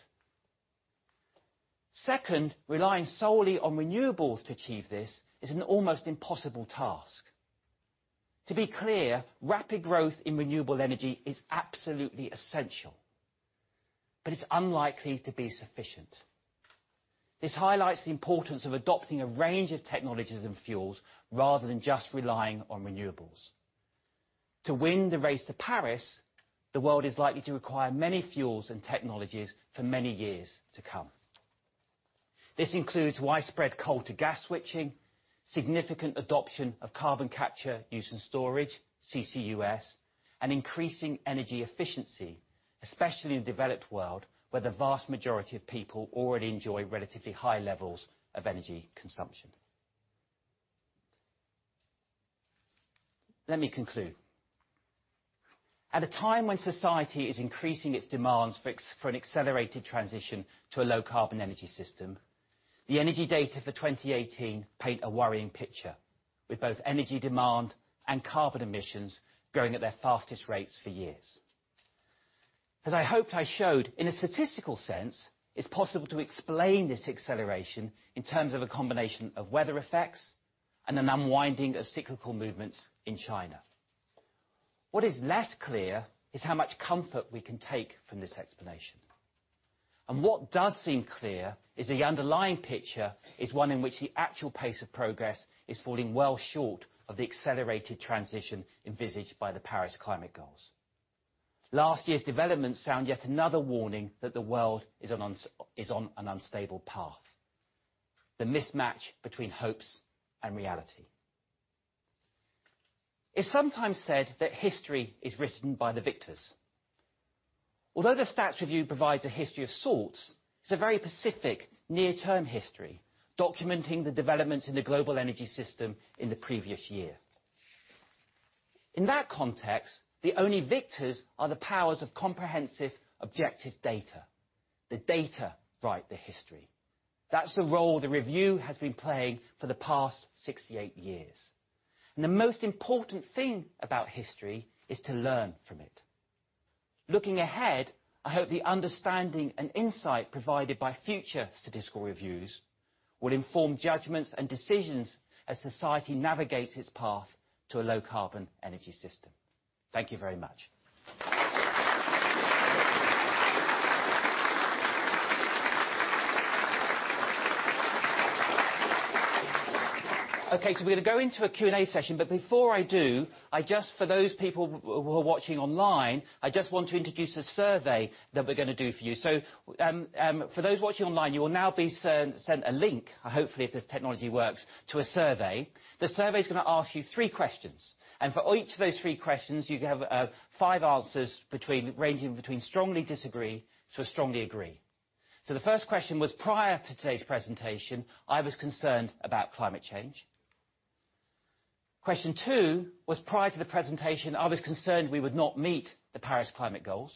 Relying solely on renewables to achieve this is an almost impossible task. To be clear, rapid growth in renewable energy is absolutely essential, but it's unlikely to be sufficient. This highlights the importance of adopting a range of technologies and fuels rather than just relying on renewables. To win the race to Paris, the world is likely to require many fuels and technologies for many years to come. This includes widespread coal to gas switching, significant adoption of carbon capture, use and storage, CCUS, and increasing energy efficiency, especially in the developed world where the vast majority of people already enjoy relatively high levels of energy consumption. Let me conclude. At a time when society is increasing its demands for an accelerated transition to a low carbon energy system, the energy data for 2018 paint a worrying picture, with both energy demand and carbon emissions growing at their fastest rates for years. As I hoped I showed, in a statistical sense, it's possible to explain this acceleration in terms of a combination of weather effects and an unwinding of cyclical movements in China. What is less clear is how much comfort we can take from this explanation. What does seem clear is the underlying picture is one in which the actual pace of progress is falling well short of the accelerated transition envisaged by the Paris Climate Goals. Last year's developments sound yet another warning that the world is on an unstable path. The mismatch between hopes and reality. It's sometimes said that history is written by the victors. Although the Stats Review provides a history of sorts, it's a very specific near-term history, documenting the developments in the global energy system in the previous year. In that context, the only victors are the powers of comprehensive objective data. The data write the history. That's the role the review has been playing for the past 68 years. The most important thing about history is to learn from it. Looking ahead, I hope the understanding and insight provided by future statistical reviews will inform judgments and decisions as society navigates its path to a low carbon energy system. Thank you very much. We're going to go into a Q&A session, but before I do, for those people who are watching online, I just want to introduce a survey that we're going to do for you. For those watching online, you will now be sent a link, hopefully if this technology works, to a survey. The survey's going to ask you three questions, and for each of those three questions, you have five answers ranging between strongly disagree to strongly agree. The first question was, prior to today's presentation, I was concerned about climate change. Question two was, prior to the presentation, I was concerned we would not meet the Paris Climate Goals.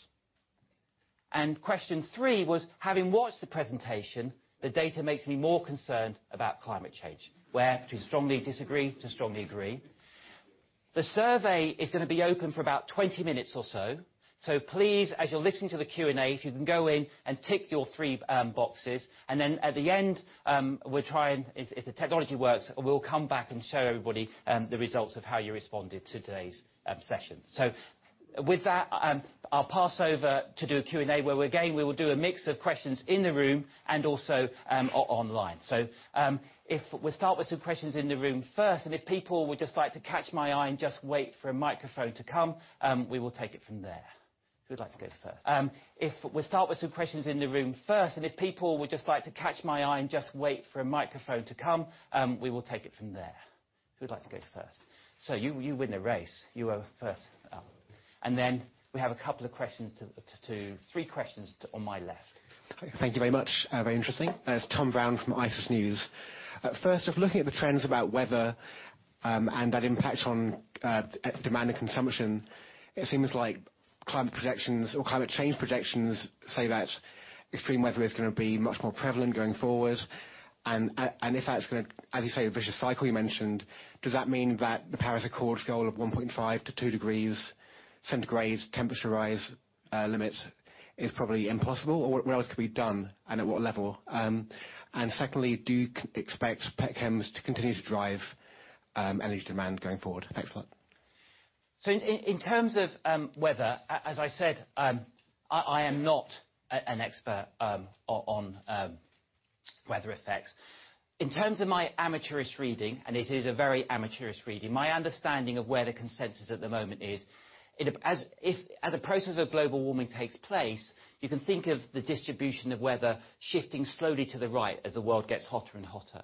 Question three was, having watched the presentation, the data makes me more concerned about climate change. Where between strongly disagree to strongly agree. The survey is going to be open for about 20 minutes or so. Please, as you're listening to the Q&A, if you can go in and tick your three boxes, and then at the end, if the technology works, we'll come back and show everybody the results of how you responded to today's session. With that, I'll pass over to do a Q&A where again, we will do a mix of questions in the room and also online. If we start with some questions in the room first, and if people would just like to catch my eye and just wait for a microphone to come, we will take it from there. Who'd like to go first? If we start with some questions in the room first, and if people would just like to catch my eye and just wait for a microphone to come, we will take it from there. Who'd like to go first? Sir, you win the race. You are first up. Then we have three questions on my left. Thank you very much. Very interesting. It's Tom Brown from ICIS News. First off, looking at the trends about weather, and that impact on demand and consumption, it seems like climate change projections say that extreme weather is going to be much more prevalent going forward. If that's going to, as you say, the vicious cycle you mentioned, does that mean that the Paris Agreement's goal of 1.5 to 2 degrees centigrade temperature rise limit is probably impossible? What else could be done, and at what level? Secondly, do you expect petchems to continue to drive energy demand going forward? Thanks a lot. In terms of weather, as I said, I am not an expert on weather effects. In terms of my amateurish reading, and it is a very amateurish reading, my understanding of where the consensus at the moment is, as a process of global warming takes place, you can think of the distribution of weather shifting slowly to the right as the world gets hotter and hotter.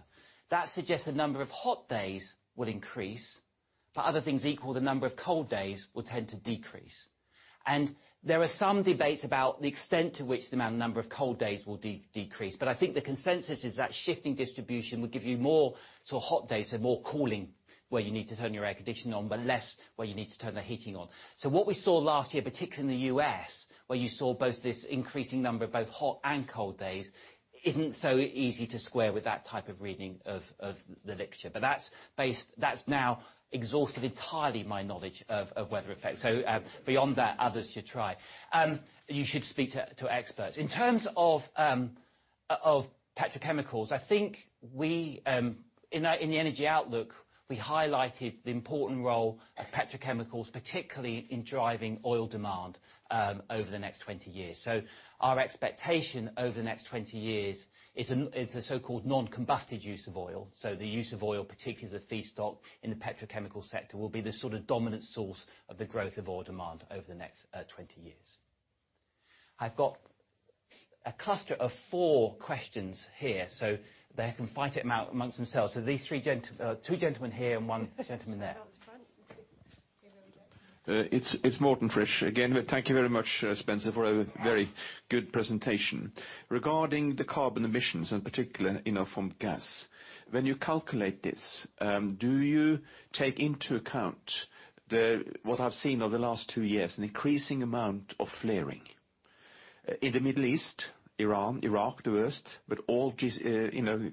That suggests the number of hot days will increase. Other things equal, the number of cold days will tend to decrease. There are some debates about the extent to which the number of cold days will decrease. I think the consensus is that shifting distribution will give you more sort of hot days, so more cooling, where you need to turn your air conditioning on, but less where you need to turn the heating on. What we saw last year, particularly in the U.S., where you saw both this increasing number of both hot and cold days, isn't so easy to square with that type of reading of the literature. That's now exhausted entirely my knowledge of weather effects. Beyond that, others should try. You should speak to experts. In terms of petrochemicals, I think in the energy outlook, we highlighted the important role of petrochemicals, particularly in driving oil demand over the next 20 years. Our expectation over the next 20 years is the so-called non-combusted use of oil. The use of oil particularly as a feedstock in the petrochemical sector will be the sort of dominant source of the growth of oil demand over the next 20 years. I've got a cluster of four questions here, so they can fight it out amongst themselves. These two gentlemen here and one gentleman there. Start to fight. It's Morten Frisch. Again, thank you very much, Spencer, for a very good presentation. Regarding the carbon emissions, in particular from gas, when you calculate this, do you take into account what I've seen over the last two years, an increasing amount of flaring? In the Middle East, Iran, Iraq the worst, but all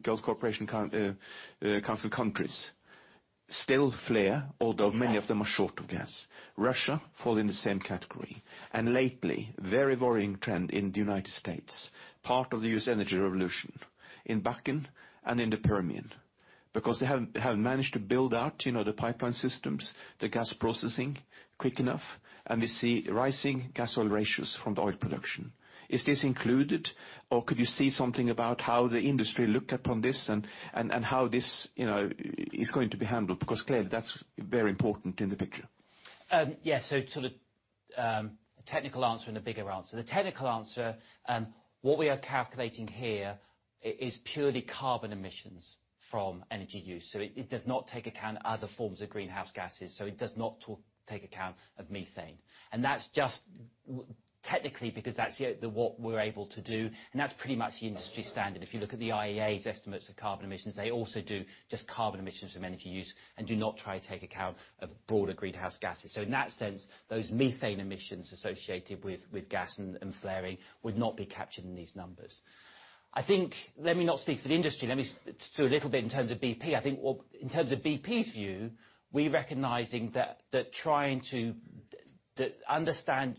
Gulf Cooperation Council countries still flare, although many of them are short of gas. Russia fall in the same category. Lately, very worrying trend in the United States, part of the U.S. energy revolution in Bakken and in the Permian. They haven't managed to build out the pipeline systems, the gas processing quick enough, and we see rising gas oil ratios from the oil production. Is this included, or could you see something about how the industry looked upon this, and how this is going to be handled? Clearly, that's very important in the picture. Sort of the technical answer and the bigger answer. The technical answer, what we are calculating here is purely carbon emissions from energy use. It does not take account other forms of greenhouse gases, so it does not take account of methane. That's just technically because that's what we're able to do, and that's pretty much the industry standard. If you look at the IEA's estimates of carbon emissions, they also do just carbon emissions from energy use and do not try to take account of broader greenhouse gases. In that sense, those methane emissions associated with gas and flaring would not be captured in these numbers. Let me not speak for the industry. Let me speak to a little bit in terms of BP. I think in terms of BP's view, we're recognizing that trying to understand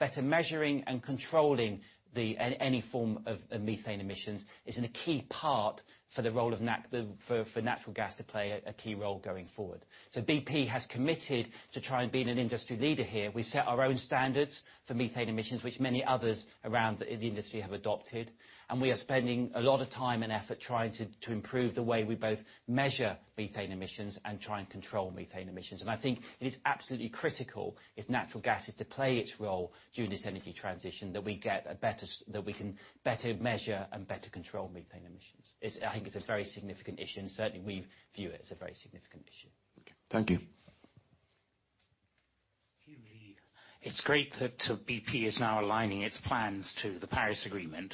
better measuring and controlling any form of methane emissions is a key part for natural gas to play a key role going forward. BP has committed to try and being an industry leader here. We set our own standards for methane emissions, which many others around the industry have adopted. We are spending a lot of time and effort trying to improve the way we both measure methane emissions and try and control methane emissions. I think it is absolutely critical if natural gas is to play its role during this energy transition, that we can better measure and better control methane emissions. I think it's a very significant issue, and certainly we view it as a very significant issue. Thank you. It's great that BP is now aligning its plans to the Paris Agreement.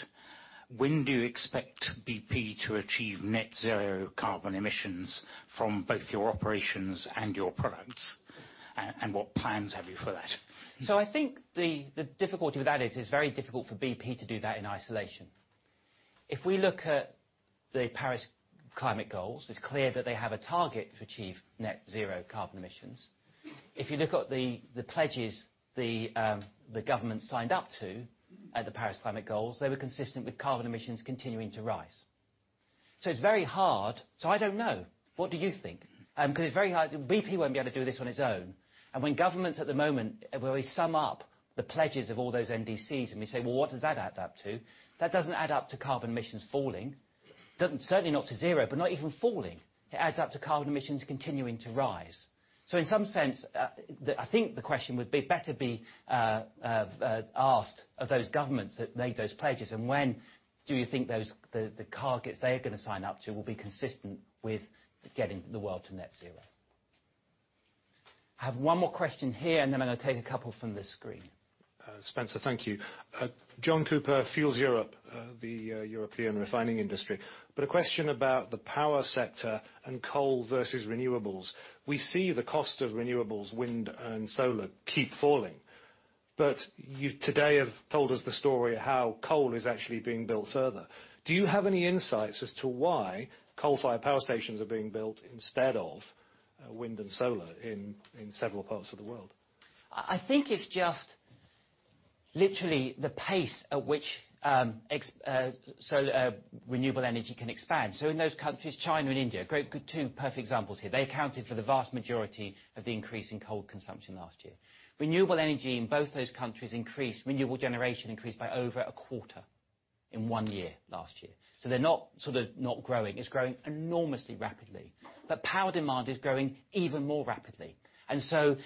When do you expect BP to achieve net zero carbon emissions from both your operations and your products? What plans have you for that? I think the difficulty with that is, it's very difficult for BP to do that in isolation. If we look at the Paris Agreement, it's clear that they have a target to achieve net zero carbon emissions. If you look at the pledges the government signed up to at the Paris Agreement, they were consistent with carbon emissions continuing to rise. It's very hard, so I don't know. What do you think? Because it's very hard. BP won't be able to do this on its own. When governments at the moment, where we sum up the pledges of all those NDCs and we say, "Well, what does that add up to?" That doesn't add up to carbon emissions falling. Certainly not to zero, but not even falling. It adds up to carbon emissions continuing to rise. In some sense, I think the question would better be asked of those governments that made those pledges. When do you think the targets they are going to sign up to will be consistent with getting the world to net zero? I have one more question here, and then I'm going to take a couple from this screen. Spencer, thank you. John Cooper, FuelsEurope, the European refining industry. A question about the power sector and coal versus renewables. We see the cost of renewables, wind and solar, keep falling. You today have told us the story of how coal is actually being built further. Do you have any insights as to why coal fire power stations are being built instead of wind and solar in several parts of the world? I think it's just literally the pace at which renewable energy can expand. In those countries, China and India, two perfect examples here. They accounted for the vast majority of the increase in coal consumption last year. Renewable generation increased by over a quarter in one year last year. They're not not growing. It's growing enormously rapidly. Power demand is growing even more rapidly.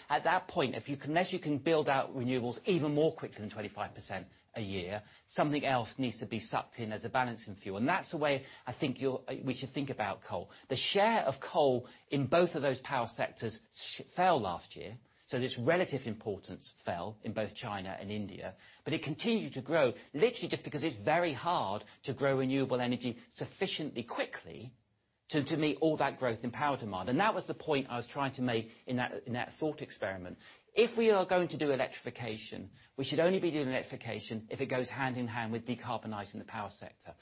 At that point, unless you can build out renewables even more quickly than 25% a year, something else needs to be sucked in as a balancing fuel. That's the way I think we should think about coal. The share of coal in both of those power sectors fell last year, its relative importance fell in both China and India, but it continued to grow literally just because it's very hard to grow renewable energy sufficiently quickly to meet all that growth in power demand. That was the point I was trying to make in that thought experiment. If we are going to do electrification, we should only be doing electrification if it goes hand in hand with decarbonizing the power sector.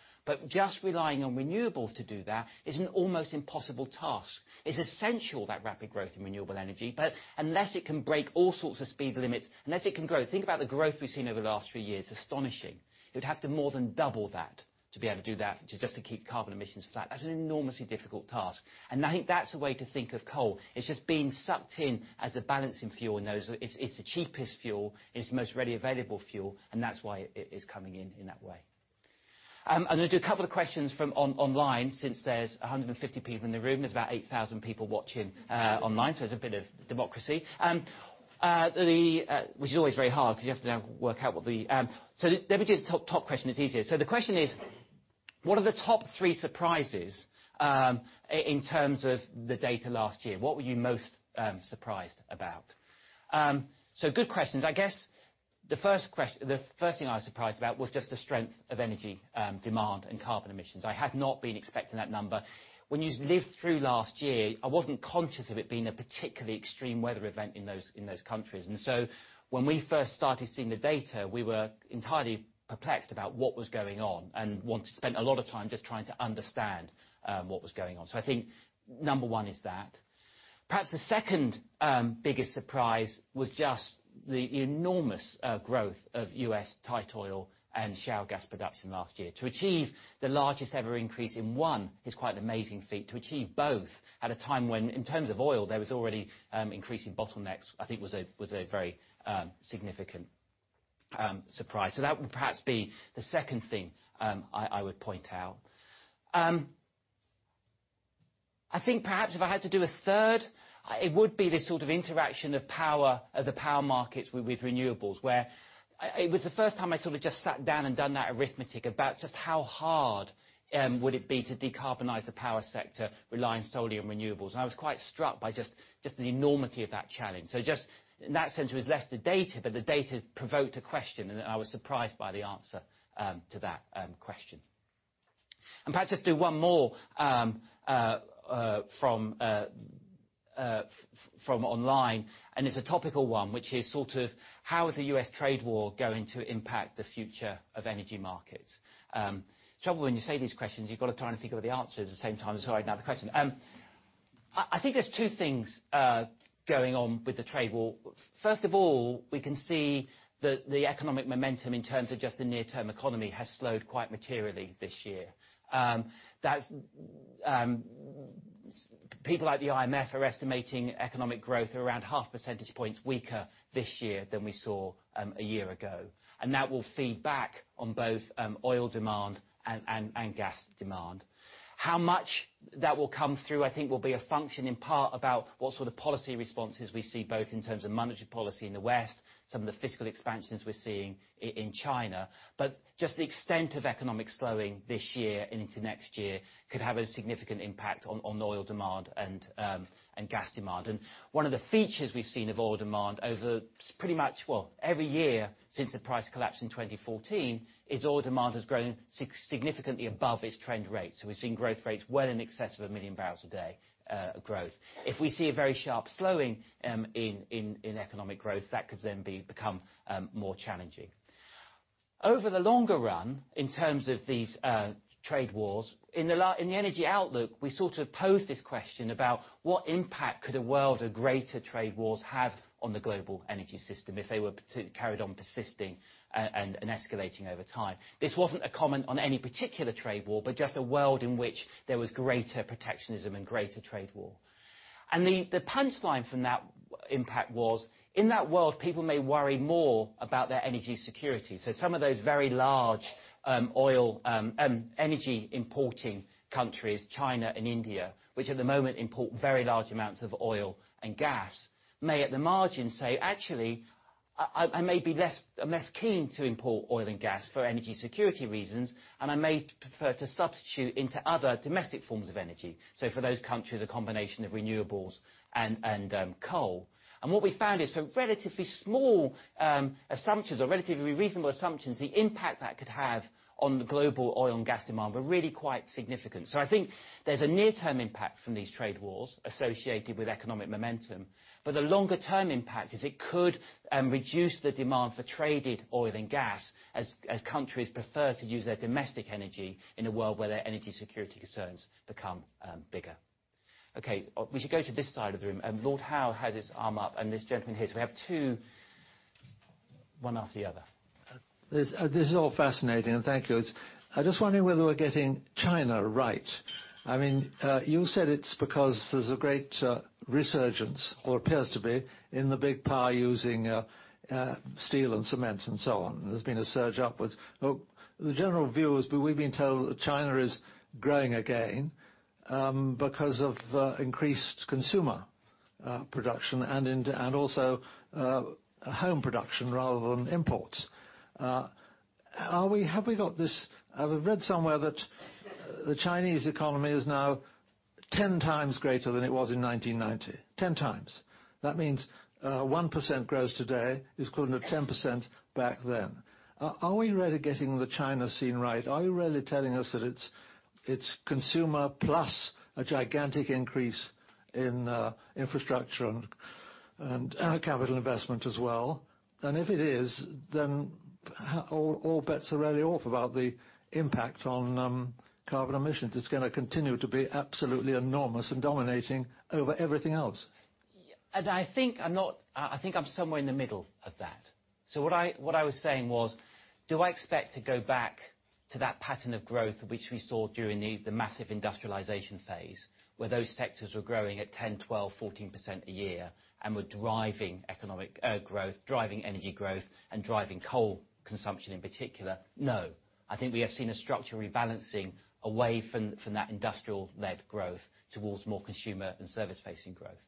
Just relying on renewables to do that is an almost impossible task. It's essential, that rapid growth in renewable energy, but unless it can break all sorts of speed limits, unless it can grow. Think about the growth we've seen over the last few years. Astonishing. You'd have to more than double that to be able to do that, just to keep carbon emissions flat. That's an enormously difficult task. I think that's the way to think of coal. It's just being sucked in as a balancing fuel in those. It's the cheapest fuel, and it's the most readily available fuel, and that's why it is coming in in that way. I'm going to do a couple of questions from online, since there's 150 people in the room, there's about 8,000 people watching online, so it's a bit of democracy. Which is always very hard, because you have to now work out what the. Let me do the top question. It's easier. The question is, what are the top three surprises in terms of the data last year? What were you most surprised about? Good questions. I guess the first thing I was surprised about was just the strength of energy demand and carbon emissions. I had not been expecting that number. When you lived through last year, I wasn't conscious of it being a particularly extreme weather event in those countries. When we first started seeing the data, we were entirely perplexed about what was going on, and spent a lot of time just trying to understand what was going on. I think number one is that. Perhaps the second biggest surprise was just the enormous growth of U.S. tight oil and shale gas production last year. To achieve the largest ever increase in one is quite an amazing feat. To achieve both at a time when, in terms of oil, there was already increasing bottlenecks, I think was a very significant surprise. That would perhaps be the second thing I would point out. I think perhaps if I had to do a third, it would be this interaction of the power markets with renewables, where it was the first time I just sat down and done that arithmetic about just how hard would it be to decarbonize the power sector relying solely on renewables. I was quite struck by just the enormity of that challenge. Just in that sense, it was less the data, but the data provoked a question, and I was surprised by the answer to that question. Perhaps let's do one more from online, and it's a topical one, which is sort of how is the U.S. trade war going to impact the future of energy markets? Trouble when you say these questions, you've got to try and think of the answer at the same time as hearing the question. I think there's two things going on with the trade war. First of all, we can see that the economic momentum in terms of just the near-term economy has slowed quite materially this year. People like the IMF are estimating economic growth are around half percentage points weaker this year than we saw a year ago. That will feed back on both oil demand and gas demand. How much that will come through, I think will be a function in part about what sort of policy responses we see, both in terms of monetary policy in the West, some of the fiscal expansions we're seeing in China. Just the extent of economic slowing this year and into next year could have a significant impact on oil demand and gas demand. One of the features we've seen of oil demand over pretty much, well, every year since the price collapse in 2014, is oil demand has grown significantly above its trend rate. We've seen growth rates well in excess of 1 million barrels a day growth. If we see a very sharp slowing in economic growth, that could then become more challenging. Over the longer run, in terms of these trade wars, in the Energy Outlook, we sort of posed this question about what impact could a world of greater trade wars have on the global energy system if they were to carry on persisting and escalating over time. This wasn't a comment on any particular trade war, but just a world in which there was greater protectionism and greater trade war. The punchline from that impact was, in that world, people may worry more about their energy security. Some of those very large oil energy importing countries, China and India, which at the moment import very large amounts of oil and gas, may at the margin say, "Actually, I may be less keen to import oil and gas for energy security reasons, and I may prefer to substitute into other domestic forms of energy. For those countries, a combination of renewables and coal. What we found is for relatively small assumptions or relatively reasonable assumptions, the impact that could have on the global oil and gas demand are really quite significant. I think there's a near-term impact from these trade wars associated with economic momentum, but the longer-term impact is it could reduce the demand for traded oil and gas as countries prefer to use their domestic energy in a world where their energy security concerns become bigger. We should go to this side of the room. Lord Howe has his arm up and this gentleman here, we have two, one after the other. This is all fascinating and thank you. I'm just wondering whether we're getting China right. You said it's because there's a great resurgence or appears to be, in the big power using steel and cement and so on, there's been a surge upwards. The general view is, we've been told that China is growing again, because of increased consumer production and also home production rather than imports. I read somewhere that the Chinese economy is now 10 times greater than it was in 1990. 10 times. That means 1% growth today is equivalent of 10% back then. Are we really getting the China scene right? Are you really telling us that it's consumer plus a gigantic increase in infrastructure and capital investment as well? If it is, then all bets are really off about the impact on carbon emissions. It's going to continue to be absolutely enormous and dominating over everything else. I think I'm somewhere in the middle of that. What I was saying was, do I expect to go back to that pattern of growth, which we saw during the massive industrialization phase, where those sectors were growing at 10, 12, 14% a year and were driving economic growth, driving energy growth, and driving coal consumption in particular? No, I think we have seen a structural rebalancing away from that industrial-led growth towards more consumer and service-facing growth.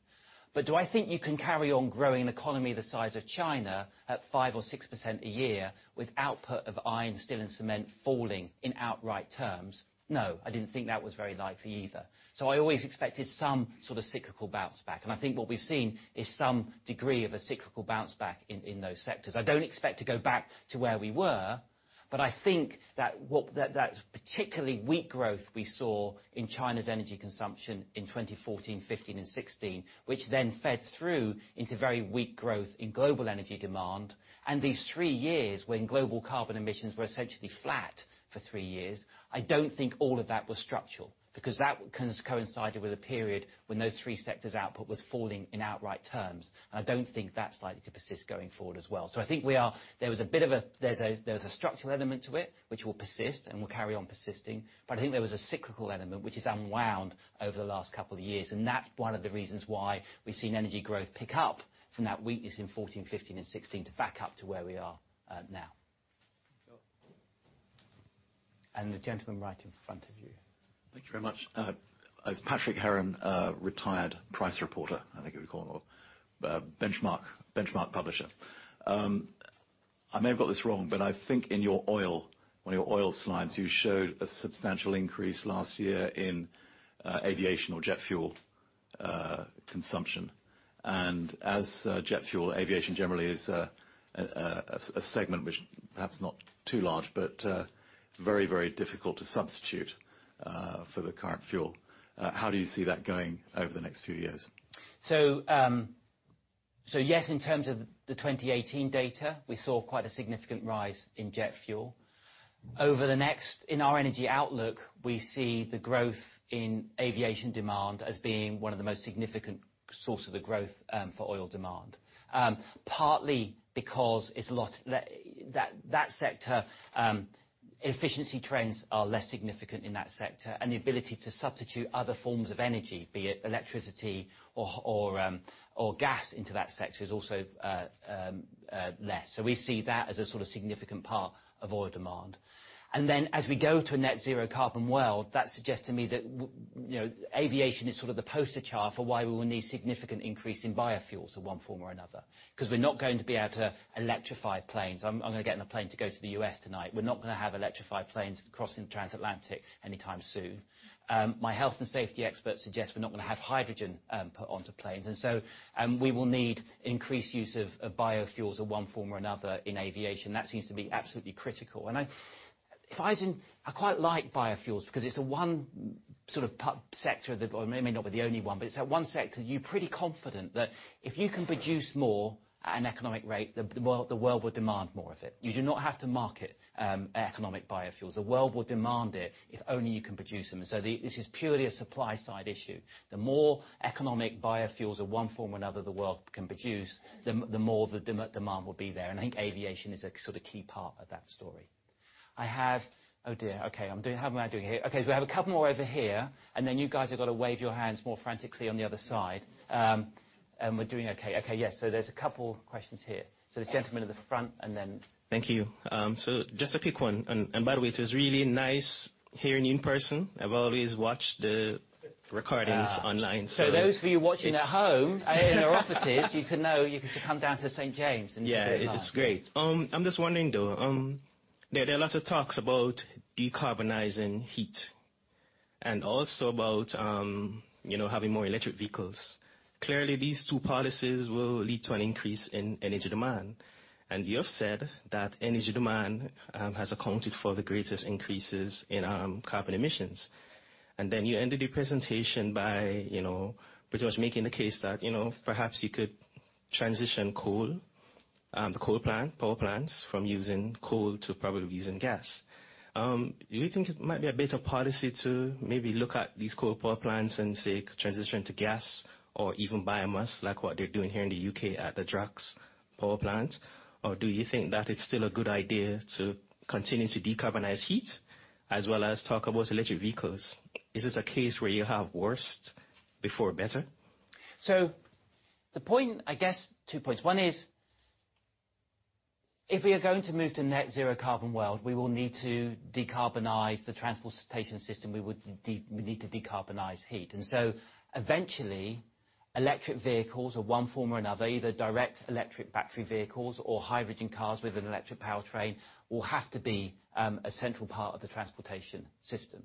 Do I think you can carry on growing an economy the size of China at 5 or 6% a year with output of iron, steel, and cement falling in outright terms? No, I didn't think that was very likely either. I always expected some sort of cyclical bounce back, and I think what we've seen is some degree of a cyclical bounce back in those sectors. I don't expect to go back to where we were, I think that that particularly weak growth we saw in China's energy consumption in 2014, 2015, and 2016, which then fed through into very weak growth in global energy demand, and these three years when global carbon emissions were essentially flat for three years, I don't think all of that was structural. Because that coincided with a period when those three sectors' output was falling in outright terms. I don't think that's likely to persist going forward as well. I think there was a structural element to it, which will persist and will carry on persisting, but I think there was a cyclical element which has unwound over the last couple of years, and that's one of the reasons why we've seen energy growth pick up from that weakness in 2014, 2015, and 2016 to back up to where we are now. The gentleman right in front of you. Thank you very much. It's Patrick Heron, retired price reporter, I think you would call it, or benchmark publisher. I may have got this wrong, but I think on one of your oil slides, you showed a substantial increase last year in aviation or jet fuel consumption. As jet fuel aviation generally is a segment which perhaps not too large, but very difficult to substitute for the current fuel. How do you see that going over the next few years? Yes, in terms of the 2018 data, we saw quite a significant rise in jet fuel. In our BP Energy Outlook, we see the growth in aviation demand as being one of the most significant source of the growth for oil demand. Partly because that sector efficiency trends are less significant in that sector and the ability to substitute other forms of energy, be it electricity or gas into that sector is also less. We see that as a sort of significant part of oil demand. Then as we go to a net zero carbon world, that suggests to me that aviation is sort of the poster child for why we will need significant increase in biofuels of one form or another, because we're not going to be able to electrify planes. I'm going to get in a plane to go to the U.S. tonight. We're not going to have electrified planes crossing transatlantic anytime soon. My health and safety experts suggest we're not going to have hydrogen put onto planes. We will need increased use of biofuels of one form or another in aviation. That seems to be absolutely critical. I quite like biofuels because it's one sort of sector, it may not be the only one, but it's that one sector you're pretty confident that if you can produce more at an economic rate, the world will demand more of it. You do not have to market economic biofuels. The world will demand it if only you can produce them. This is purely a supply side issue. The more economic biofuels of one form or another the world can produce, the more the demand will be there. I think aviation is a sort of key part of that story. Oh dear. Okay. How am I doing here? We have a couple more over here, and then you guys have got to wave your hands more frantically on the other side. We're doing okay. Okay. Yeah. There's a couple questions here. This gentleman at the front and then Thank you. Just a quick one, and by the way, it was really nice hearing you in person. I've always watched the recordings online. Those of you watching at home, in our offices, you should come down to St. James and It is great. I'm just wondering. There are lots of talk about decarbonizing heat and also about having more electric vehicles. Clearly, these two policies will lead to an increase in energy demand. You have said that energy demand has accounted for the greatest increases in carbon emissions. Then you ended your presentation by pretty much making the case that perhaps you could transition the coal power plants from using coal to probably using gas. Do you think it might be a better policy to maybe look at these coal power plants and say transition to gas or even biomass, like what they're doing here in the U.K. at the Drax power plant? Do you think that it's still a good idea to continue to decarbonize heat as well as talk about electric vehicles? Is this a case where you have worst before better? The point, I guess two points. One is, if we are going to move to net zero carbon world, we will need to decarbonize the transportation system. We would need to decarbonize heat. Eventually, electric vehicles or one form or another, either direct electric battery vehicles or hydrogen cars with an electric powertrain, will have to be a central part of the transportation system.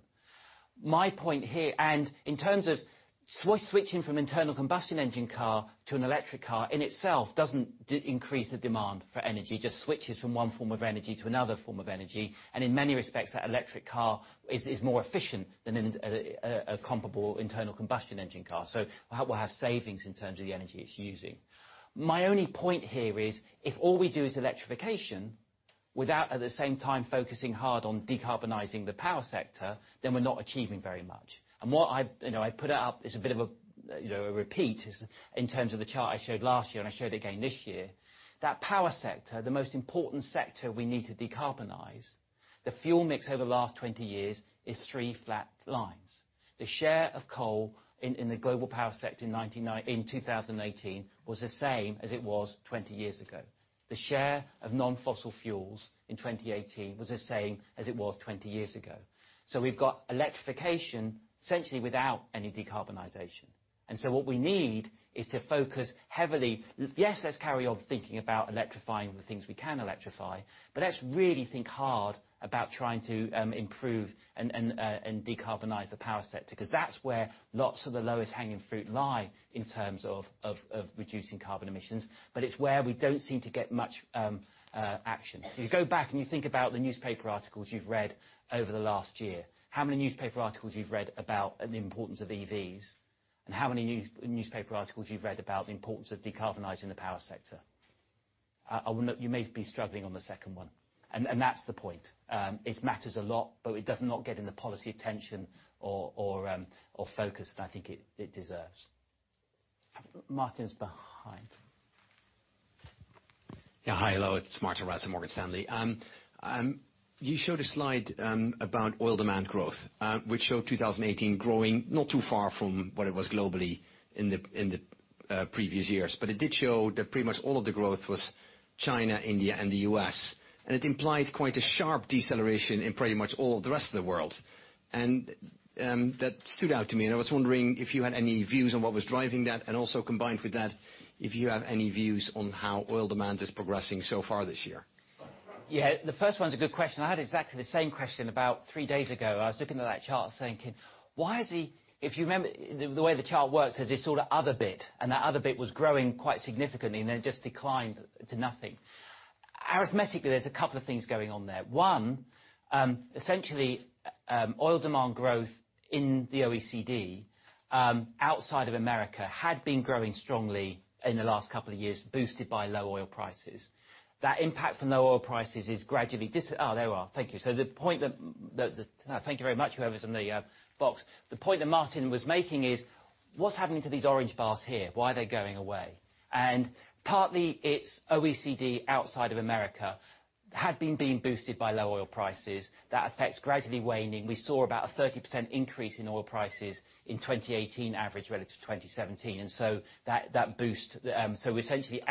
My point here, in terms of switching from internal combustion engine car to an electric car in itself doesn't increase the demand for energy, just switches from one form of energy to another form of energy. In many respects, that electric car is more efficient than a comparable internal combustion engine car. We'll have savings in terms of the energy it's using. My only point here is, if all we do is electrification without, at the same time, focusing hard on decarbonizing the power sector, then we're not achieving very much. What I put out is a bit of a repeat in terms of the chart I showed last year, and I showed again this year. That power sector, the most important sector we need to decarbonize. The fuel mix over the last 20 years is three flat lines. The share of coal in the global power sector in 2018 was the same as it was 20 years ago. The share of non-fossil fuels in 2018 was the same as it was 20 years ago. We've got electrification essentially without any decarbonization. What we need is to focus heavily. Let's carry on thinking about electrifying the things we can electrify, but let's really think hard about trying to improve and decarbonize the power sector, because that's where lots of the lowest hanging fruit lie in terms of reducing carbon emissions, but it's where we don't seem to get much action. If you go back and you think about the newspaper articles you've read over the last year, how many newspaper articles you've read about the importance of EVs, and how many newspaper articles you've read about the importance of decarbonizing the power sector? You may be struggling on the second one, and that's the point. It matters a lot, but it does not get in the policy attention or focus that I think it deserves. Martin is behind. Yeah. Hi, hello. It's Martin Russell, Morgan Stanley. You showed a slide about oil demand growth, which showed 2018 growing not too far from what it was globally in the previous years. It did show that pretty much all of the growth was China, India, and the U.S., and it implied quite a sharp deceleration in pretty much all of the rest of the world. That stood out to me. I was wondering if you had any views on what was driving that and also combined with that, if you have any views on how oil demand is progressing so far this year. Yeah, the first one's a good question. I had exactly the same question about three days ago. I was looking at that chart thinking, if you remember, the way the chart works is this sort of other bit, and that other bit was growing quite significantly and then just declined to nothing. Arithmetically, there's a couple of things going on there. One, essentially, oil demand growth in the OECD, outside of America, had been growing strongly in the last couple of years, boosted by low oil prices. That impact from low oil prices is gradually there we are. Thank you. Thank you very much, whoever's on the box. The point that Martin was making is, what's happening to these orange bars here? Why are they going away? Partly it's OECD outside of America, had been being boosted by low oil prices. That effect's gradually waning. We saw about a 30% increase in oil prices in 2018 average relative to 2017. That boost. Essentially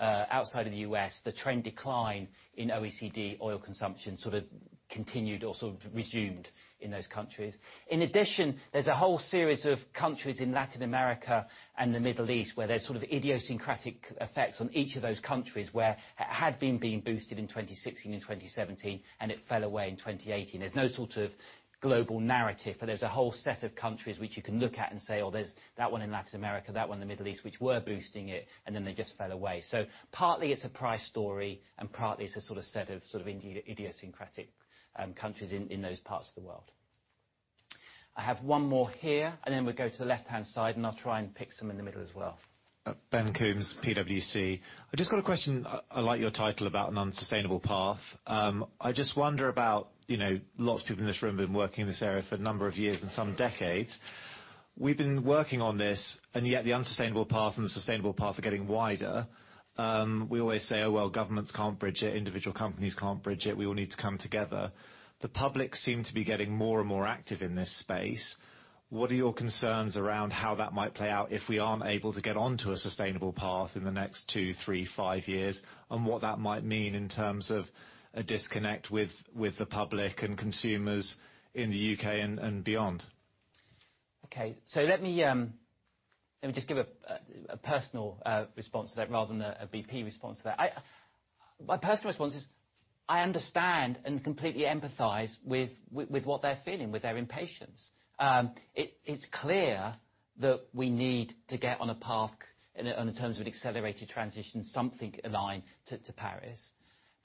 outside of the U.S., the trend decline in OECD oil consumption sort of continued or sort of resumed in those countries. In addition, there's a whole series of countries in Latin America and the Middle East where there's sort of idiosyncratic effects on each of those countries where it had been being boosted in 2016 and 2017, and it fell away in 2018. There's no sort of global narrative, but there's a whole set of countries which you can look at and say, "There's that one in Latin America, that one in the Middle East, which were boosting it, and then they just fell away." Partly it's a price story, and partly it's a sort of set of sort of idiosyncratic countries in those parts of the world. I have one more here, and then we'll go to the left-hand side, and I'll try and pick some in the middle as well. Ben Coombs, PwC. I just got a question. I like your title about an unsustainable path. I just wonder, lots of people in this room have been working in this area for a number of years and some decades. Yet the unsustainable path and the sustainable path are getting wider. We always say, "Oh, well, governments can't bridge it. Individual companies can't bridge it. We all need to come together." The public seem to be getting more and more active in this space. What are your concerns around how that might play out if we aren't able to get onto a sustainable path in the next two, three, five years, and what that might mean in terms of a disconnect with the public and consumers in the U.K. and beyond? Okay. Let me just give a personal response to that rather than a BP response to that. My personal response is, I understand and completely empathize with what they're feeling, with their impatience. It's clear that we need to get on a path in terms of an accelerated transition, something aligned to Paris.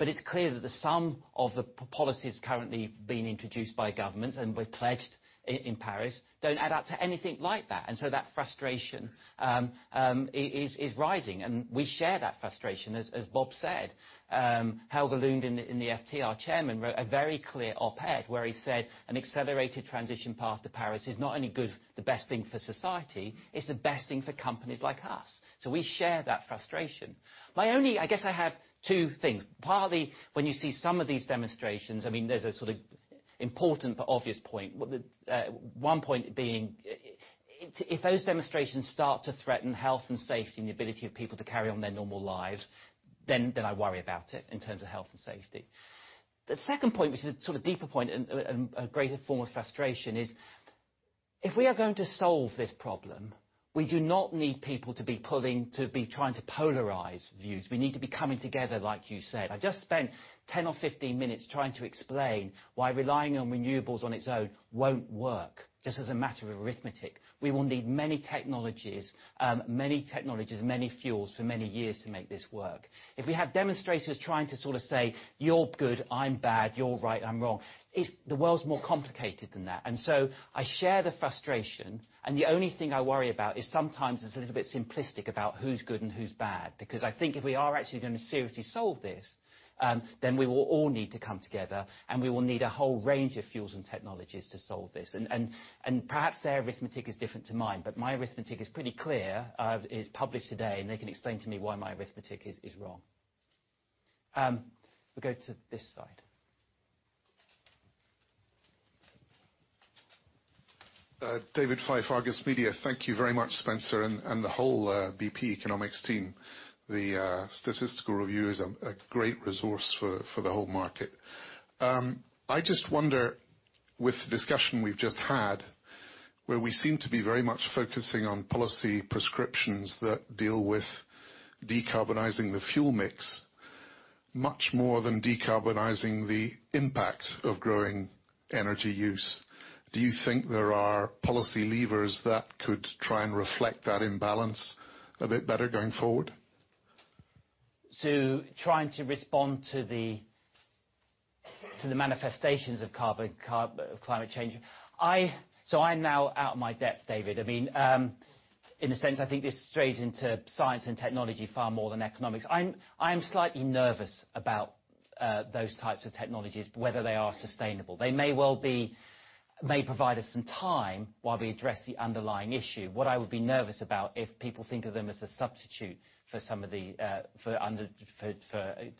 It's clear that the sum of the policies currently being introduced by governments, and we've pledged in Paris, don't add up to anything like that. That frustration is rising, and we share that frustration, as Bob said. Helge Lund in the Financial Times, our chairman, wrote a very clear op-ed where he said an accelerated transition path to Paris is not only the best thing for society, it's the best thing for companies like us. We share that frustration. I guess I have two things. Partly, when you see some of these demonstrations, there's a sort of important but obvious point. One point being, if those demonstrations start to threaten health and safety and the ability of people to carry on their normal lives, then I worry about it in terms of health and safety. The second point, which is a sort of deeper point and a greater form of frustration, is if we are going to solve this problem, we do not need people to be trying to polarize views. We need to be coming together, like you said. I've just spent 10 or 15 minutes trying to explain why relying on renewables on its own won't work, just as a matter of arithmetic. We will need many technologies, many fuels for many years to make this work. If we have demonstrators trying to sort of say, "You're good, I'm bad. You're right, I'm wrong," the world's more complicated than that. I share the frustration, and the only thing I worry about is sometimes it's a little bit simplistic about who's good and who's bad, because I think if we are actually going to seriously solve this, then we will all need to come together, and we will need a whole range of fuels and technologies to solve this. Perhaps their arithmetic is different to mine, but my arithmetic is pretty clear. It's published today, and they can explain to me why my arithmetic is wrong. We'll go to this side. David Fyfe, Argus Media. Thank you very much, Spencer, and the whole BP economics team. The Statistical Review is a great resource for the whole market. I just wonder, with the discussion we've just had, where we seem to be very much focusing on policy prescriptions that deal with decarbonizing the fuel mix much more than decarbonizing the impact of growing energy use. Do you think there are policy levers that could try and reflect that imbalance a bit better going forward? Trying to respond to the manifestations of climate change. I'm now out of my depth, David. In a sense, I think this strays into science and technology far more than economics. I am slightly nervous about those types of technologies, whether they are sustainable. They may well provide us some time while we address the underlying issue. What I would be nervous about if people think of them as a substitute for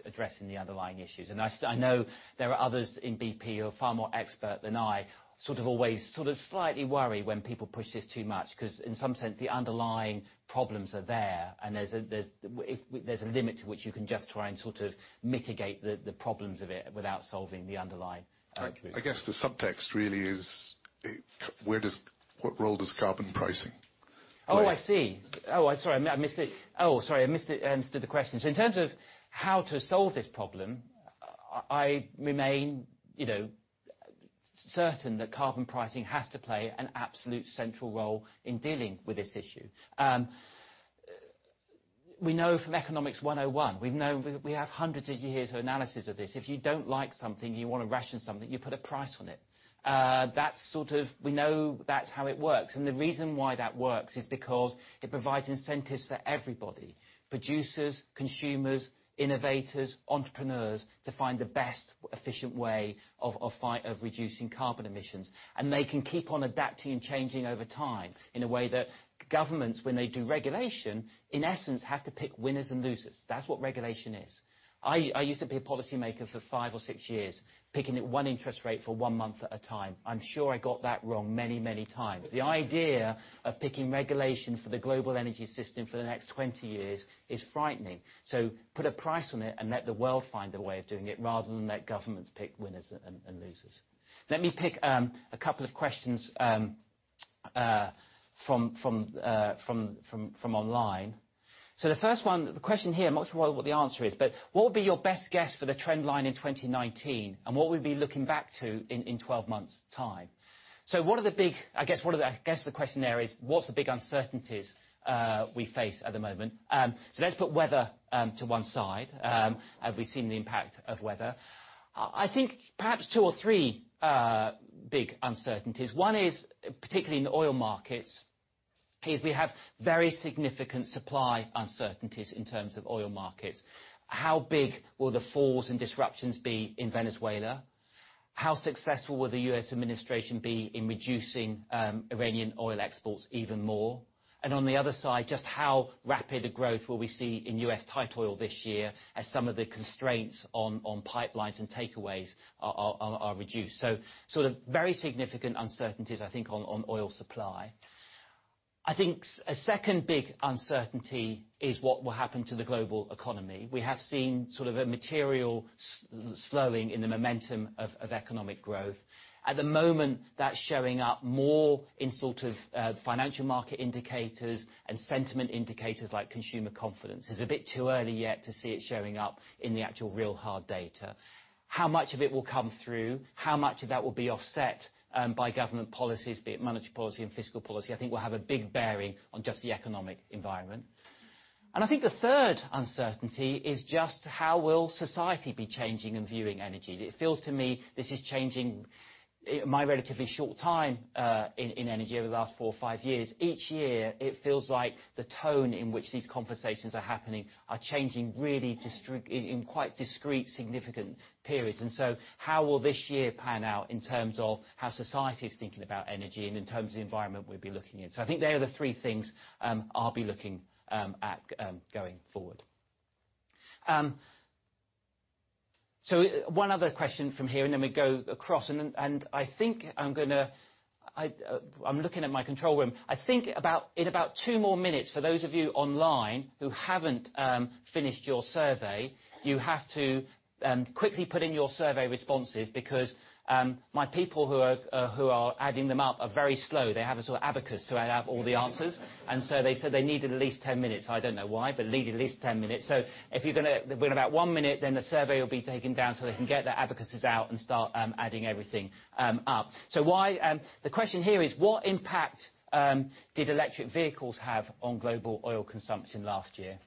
addressing the underlying issues. I know there are others in BP who are far more expert than I. Sort of always slightly worry when people push this too much, because in some sense, the underlying problems are there, and there's a limit to which you can just try and sort of mitigate the problems of it without solving the underlying issue. I guess the subtext really is, what role does carbon pricing play? Oh, I see. Oh, sorry, I missed it. Oh, sorry, I misunderstood the question. In terms of how to solve this problem, I remain certain that carbon pricing has to play an absolute central role in dealing with this issue. We know from Economics 101, we have hundreds of years of analysis of this. If you don't like something, you want to ration something, you put a price on it. We know that's how it works. The reason why that works is because it provides incentives for everybody, producers, consumers, innovators, entrepreneurs, to find the best efficient way of reducing carbon emissions. They can keep on adapting and changing over time in a way that governments, when they do regulation, in essence, have to pick winners and losers. That's what regulation is. I used to be a policymaker for five or six years, picking one interest rate for one month at a time. I'm sure I got that wrong many, many times. The idea of picking regulation for the global energy system for the next 20 years is frightening. Put a price on it and let the world find a way of doing it, rather than let governments pick winners and losers. Let me pick a couple of questions from online. The first one, the question here, I'm not sure what the answer is, but what would be your best guess for the trend line in 2019, and what will we be looking back to in 12 months' time? I guess the question there is, what's the big uncertainties we face at the moment? Let's put weather to one side, as we've seen the impact of weather. I think perhaps two or three big uncertainties. One is, particularly in the oil markets, is we have very significant supply uncertainties in terms of oil markets. How big will the falls and disruptions be in Venezuela? How successful will the U.S. administration be in reducing Iranian oil exports even more? On the other side, just how rapid a growth will we see in U.S. tight oil this year as some of the constraints on pipelines and takeaways are reduced. Sort of very significant uncertainties, I think, on oil supply. I think a second big uncertainty is what will happen to the global economy. We have seen a material slowing in the momentum of economic growth. At the moment, that's showing up more in financial market indicators and sentiment indicators like consumer confidence. It's a bit too early yet to see it showing up in the actual real hard data. How much of it will come through? How much of that will be offset by government policies, be it monetary policy and fiscal policy? I think will have a big bearing on just the economic environment. I think the third uncertainty is just how will society be changing and viewing energy. It feels to me this is changing, in my relatively short time in energy over the last four or five years, each year it feels like the tone in which these conversations are happening are changing really in quite discrete, significant periods. How will this year pan out in terms of how society is thinking about energy and in terms of the environment we'll be looking in? I think they are the three things I'll be looking at going forward. One other question from here and then we go across, and I'm looking at my control room. I think in about two more minutes, for those of you online who haven't finished your survey, you have to quickly put in your survey responses because my people who are adding them up are very slow. They have a sort of abacus to add up all the answers. They said they need at least 10 minutes. I don't know why, but they need at least 10 minutes. In about one minute then the survey will be taken down so they can get their abacuses out and start adding everything up. The question here is, what impact did electric vehicles have on global oil consumption last year?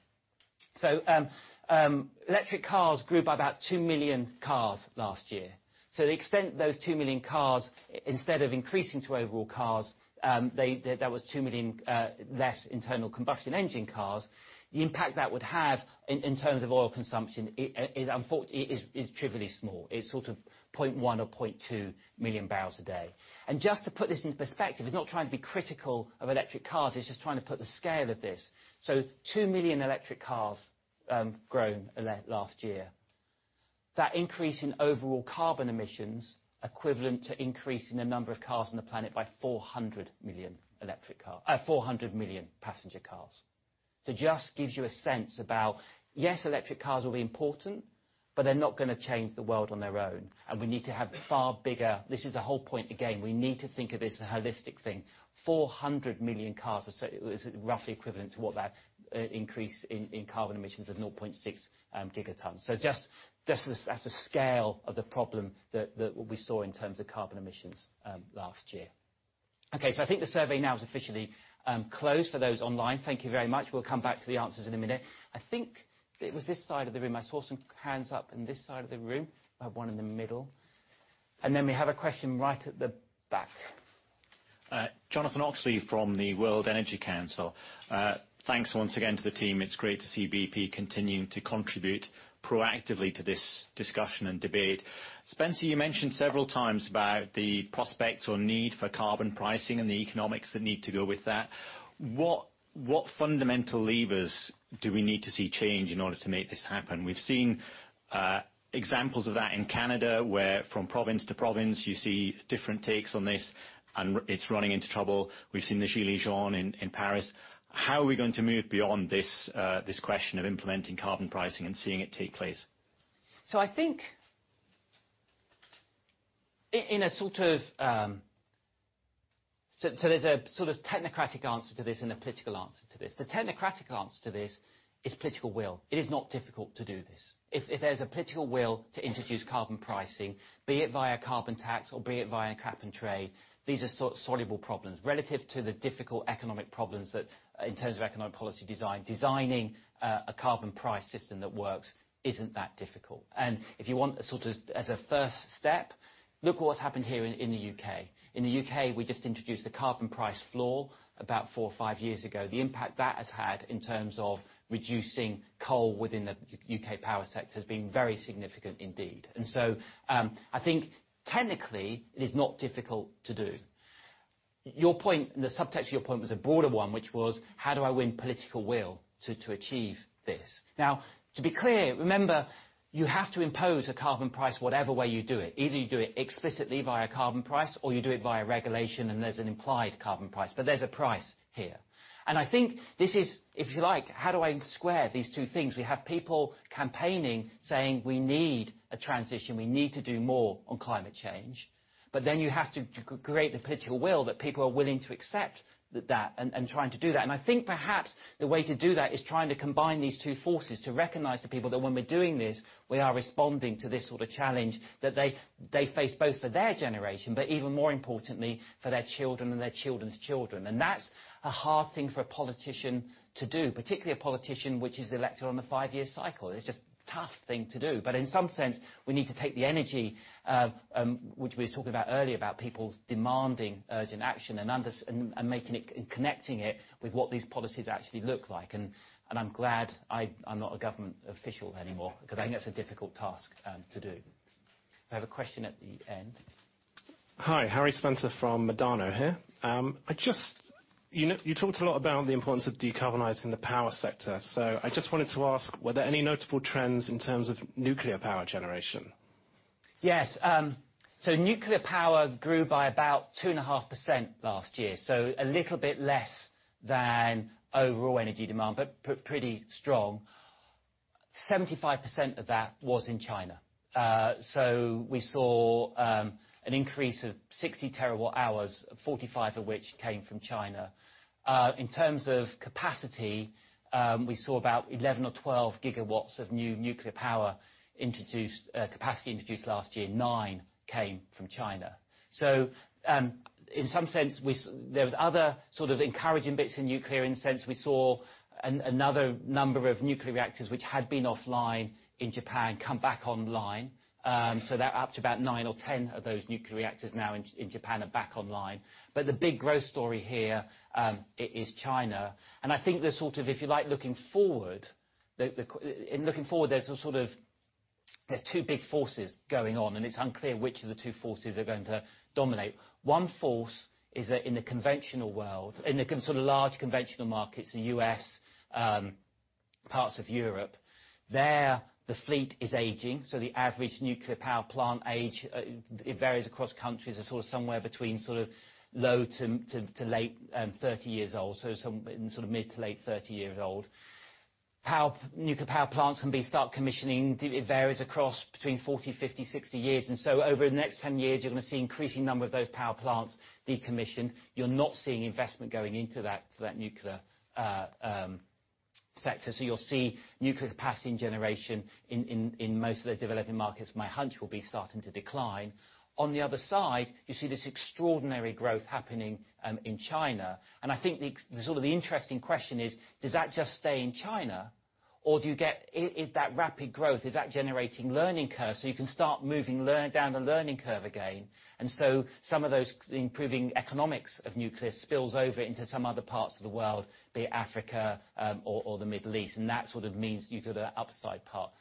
Electric cars grew by about 2 million cars last year. The extent those 2 million cars, instead of increasing to overall cars, that was 2 million less internal combustion engine cars. The impact that would have in terms of oil consumption is trivially small. It's sort of 0.1 or 0.2 million barrels a day. Just to put this into perspective, it's not trying to be critical of electric cars, it's just trying to put the scale of this. 2 million electric cars grown last year. That increase in overall carbon emissions equivalent to increase in the number of cars on the planet by 400 million passenger cars. Just gives you a sense about, yes, electric cars will be important, but they're not going to change the world on their own, and we need to have far bigger. This is the whole point again, we need to think of this as a holistic thing. 400 million cars is roughly equivalent to what that increase in carbon emissions of 0.6 gigatons. Just the scale of the problem that we saw in terms of carbon emissions last year. I think the survey now is officially closed for those online. Thank you very much. We'll come back to the answers in a minute. I think it was this side of the room. I saw some hands up in this side of the room. We have one in the middle. We have a question right at the back. Jonathan Oxley from the World Energy Council. Thanks once again to the team. It's great to see BP continuing to contribute proactively to this discussion and debate. Spencer, you mentioned several times about the prospects or need for carbon pricing and the economics that need to go with that. What fundamental levers do we need to see change in order to make this happen? We've seen examples of that in Canada, where from province to province you see different takes on this, and it's running into trouble. We've seen the gilets jaunes in Paris. How are we going to move beyond this question of implementing carbon pricing and seeing it take place? There's a sort of technocratic answer to this and a political answer to this. The technocratic answer to this is political will. It is not difficult to do this. If there's a political will to introduce carbon pricing, be it via carbon tax or be it via cap and trade, these are soluble problems. Relative to the difficult economic problems in terms of economic policy design, designing a carbon price system that works isn't that difficult. If you want as a first step, look at what's happened here in the U.K. In the U.K., we just introduced a carbon price floor about four or five years ago. The impact that has had in terms of reducing coal within the U.K. power sector has been very significant indeed. I think technically it is not difficult to do. The subtext of your point was a broader one, which was: How do I win political will to achieve this? To be clear, remember, you have to impose a carbon price whatever way you do it. Either you do it explicitly via carbon price, or you do it via regulation, and there's an implied carbon price, but there's a price here. I think this is, if you like, how do I square these two things? We have people campaigning saying we need a transition, we need to do more on climate change. You have to create the political will that people are willing to accept that and trying to do that. I think perhaps the way to do that is trying to combine these two forces to recognize to people that when we're doing this, we are responding to this sort of challenge that they face both for their generation, but even more importantly, for their children and their children's children. That's a hard thing for a politician to do, particularly a politician which is elected on a five-year cycle. It's just a tough thing to do. In some sense, we need to take the energy, which we were talking about earlier, about people demanding urgent action and connecting it with what these policies actually look like. I'm glad I'm not a government official anymore, because I think that's a difficult task to do. We have a question at the end. Hi, Harry Spencer from Medano here. You talked a lot about the importance of decarbonizing the power sector. I just wanted to ask, were there any notable trends in terms of nuclear power generation? Yes. Nuclear power grew by about 2.5% last year. A little bit less than overall energy demand, but pretty strong. 75% of that was in China. We saw an increase of 60 terawatt hours, 45 of which came from China. In terms of capacity, we saw about 11 or 12 gigawatts of new nuclear power capacity introduced last year. Nine came from China. In some sense, there was other sort of encouraging bits in nuclear in the sense we saw another number of nuclear reactors, which had been offline in Japan, come back online. They're up to about 10 of those nuclear reactors now in Japan are back online. The big growth story here, it is China. I think there's sort of, if you like, looking forward, there's two big forces going on, and it's unclear which of the two forces are going to dominate. One force is that in the conventional world, in the sort of large conventional markets, the U.S., parts of Europe, there, the fleet is aging, so the average nuclear power plant age, it varies across countries are sort of somewhere between sort of low to late 30 years old. Some in sort of mid to late 30 years old. Nuclear power plants can be start commissioning, it varies across between 40, 50, 60 years. Over the next 10 years, you're going to see increasing number of those power plants decommissioned. You're not seeing investment going into that nuclear sector. You'll see nuclear capacity and generation in most of the developing markets, my hunch, will be starting to decline. On the other side, you see this extraordinary growth happening in China. I think the interesting question is, does that just stay in China? Or if that rapid growth, is that generating learning curve, so you can start moving down the learning curve again? Some of those improving economics of nuclear spills over into some other parts of the world, be it Africa, or the Middle East, and that sort of means you've got an upside part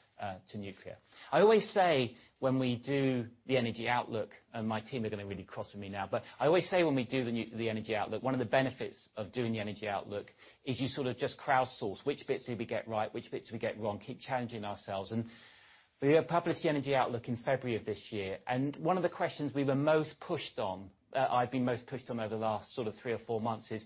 to nuclear. I always say when we do the Energy Outlook, and my team are going to really cross with me now, but I always say when we do the Energy Outlook, one of the benefits of doing the Energy Outlook is you sort of just crowdsource which bits did we get right, which bits we get wrong, keep challenging ourselves. We published the Energy Outlook in February of this year. One of the questions we were most pushed on, I've been most pushed on over the last sort of three or four months is,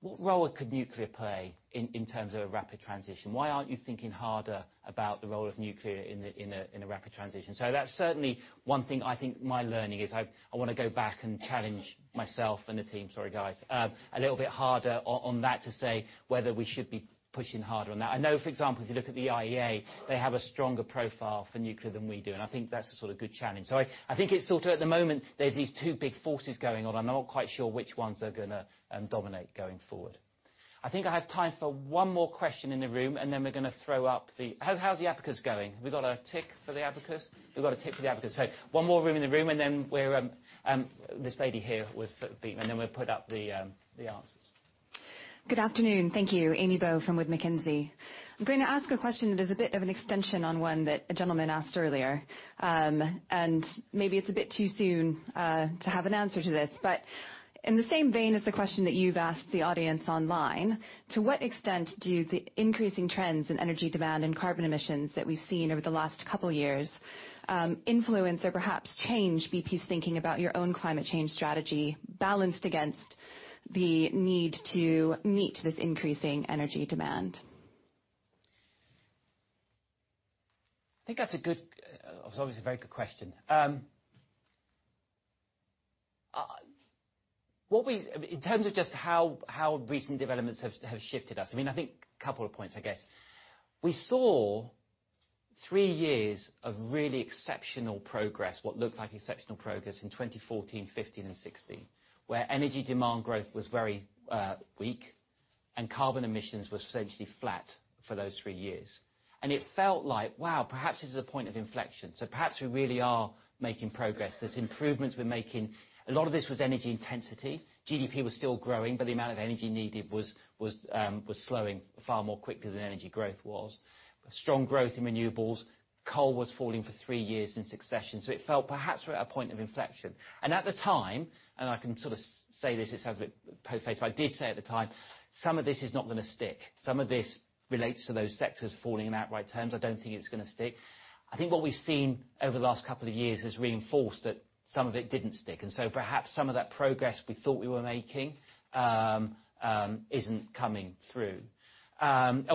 what role could nuclear play in terms of a rapid transition? Why aren't you thinking harder about the role of nuclear in a rapid transition? That's certainly one thing I think my learning is I want to go back and challenge myself and the team, sorry guys, a little bit harder on that to say whether we should be pushing harder on that. I know, for example, if you look at the IEA, they have a stronger profile for nuclear than we do, and I think that's a sort of good challenge. I think it's sort of at the moment, there's these two big forces going on. I'm not quite sure which ones are going to dominate going forward. I think I have time for one more question in the room, and then we're going to throw up the-- How's the abacus going? We got a tick for the abacus? We've got a tick for the abacus. One more in the room, then this lady here. Then we'll put up the answers. Good afternoon. Thank you. Amy Bowe from McKinsey. I'm going to ask a question that is a bit of an extension on one that a gentleman asked earlier. Maybe it's a bit too soon to have an answer to this. In the same vein as the question that you've asked the audience online, to what extent do the increasing trends in energy demand and carbon emissions that we've seen over the last couple years influence or perhaps change BP's thinking about your own climate change strategy balanced against the need to meet this increasing energy demand? I think that's a very good question. In terms of just how recent developments have shifted us, I mean, I think couple of points, I guess. We saw three years of really exceptional progress, what looked like exceptional progress in 2014, 2015, and 2016, where energy demand growth was very weak and carbon emissions was essentially flat for those three years. It felt like, wow, perhaps this is a point of inflection. Perhaps we really are making progress. There's improvements we're making. A lot of this was energy intensity. GDP was still growing, but the amount of energy needed was slowing far more quickly than energy growth was. Strong growth in renewables. Coal was falling for three years in succession. It felt perhaps we're at a point of inflection. At the time, and I can sort of say this, it sounds a bit per se, but I did say at the time, some of this is not going to stick. Some of this relates to those sectors falling in outright terms. I don't think it's going to stick. I think what we've seen over the last couple of years has reinforced that some of it didn't stick. Perhaps some of that progress we thought we were making isn't coming through. Isn't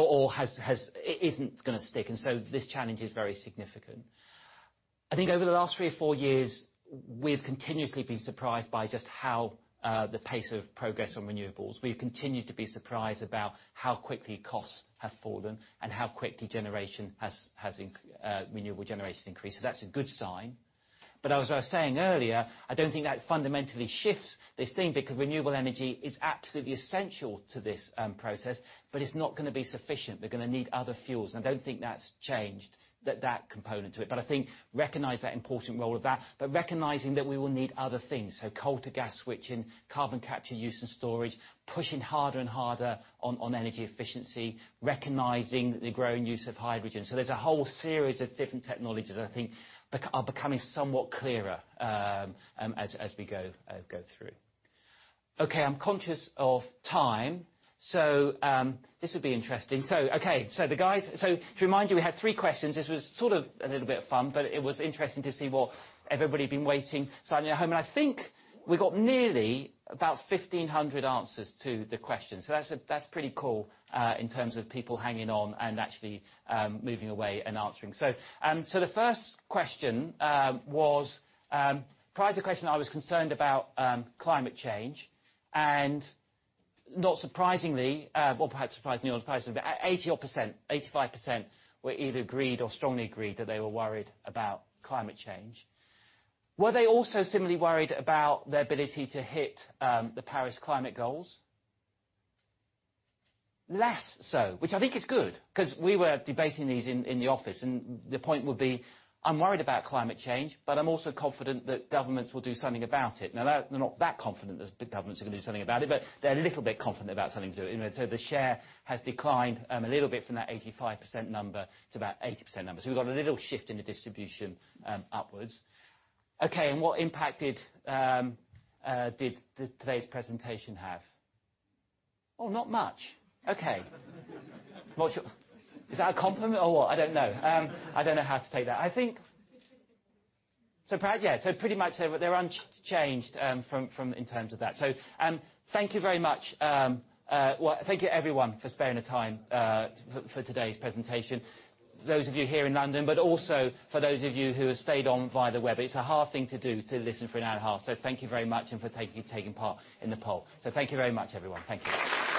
going to stick. This challenge is very significant. I think over the last three or four years, we've continuously been surprised by just how the pace of progress on renewables. We've continued to be surprised about how quickly costs have fallen and how quickly renewable generation increased. That's a good sign. As I was saying earlier, I don't think that fundamentally shifts this thing because renewable energy is absolutely essential to this process, but it's not going to be sufficient. We're going to need other fuels, and I don't think that's changed that component to it. I think recognize that important role of that, but recognizing that we will need other things. coal to gas switching, carbon capture, use and storage, pushing harder and harder on energy efficiency, recognizing the growing use of hydrogen. There's a whole series of different technologies I think are becoming somewhat clearer as we go through. Okay, I'm conscious of time. This will be interesting. Okay. To remind you, we had three questions. This was sort of a little bit of fun, but it was interesting to see what everybody had been waiting silently at home. I think we got nearly about 1,500 answers to the questions. That's pretty cool, in terms of people hanging on and actually moving away and answering. The first question was, prior to the question, I was concerned about climate change, and not surprisingly, or perhaps surprisingly or not surprisingly, but 80% odd, 85% were either agreed or strongly agreed that they were worried about climate change. Were they also similarly worried about their ability to hit the Paris climate goals? Less so, which I think is good, because we were debating these in the office, and the point would be, I'm worried about climate change, but I'm also confident that governments will do something about it. Now, they're not that confident that governments are going to do something about it, but they're a little bit confident about something to do with it. The share has declined a little bit from that 85% number to about 80% number. We've got a little shift in the distribution upwards. Okay, and what impact did today's presentation have? Oh, not much. Okay. Is that a compliment or what? I don't know. I don't know how to take that. Pretty much they're unchanged in terms of that. Thank you very much. Well, thank you everyone for sparing the time for today's presentation. Those of you here in London, but also for those of you who have stayed on via the web. It's a hard thing to do to listen for an hour and a half. Thank you very much and for taking part in the poll. Thank you very much, everyone. Thank you.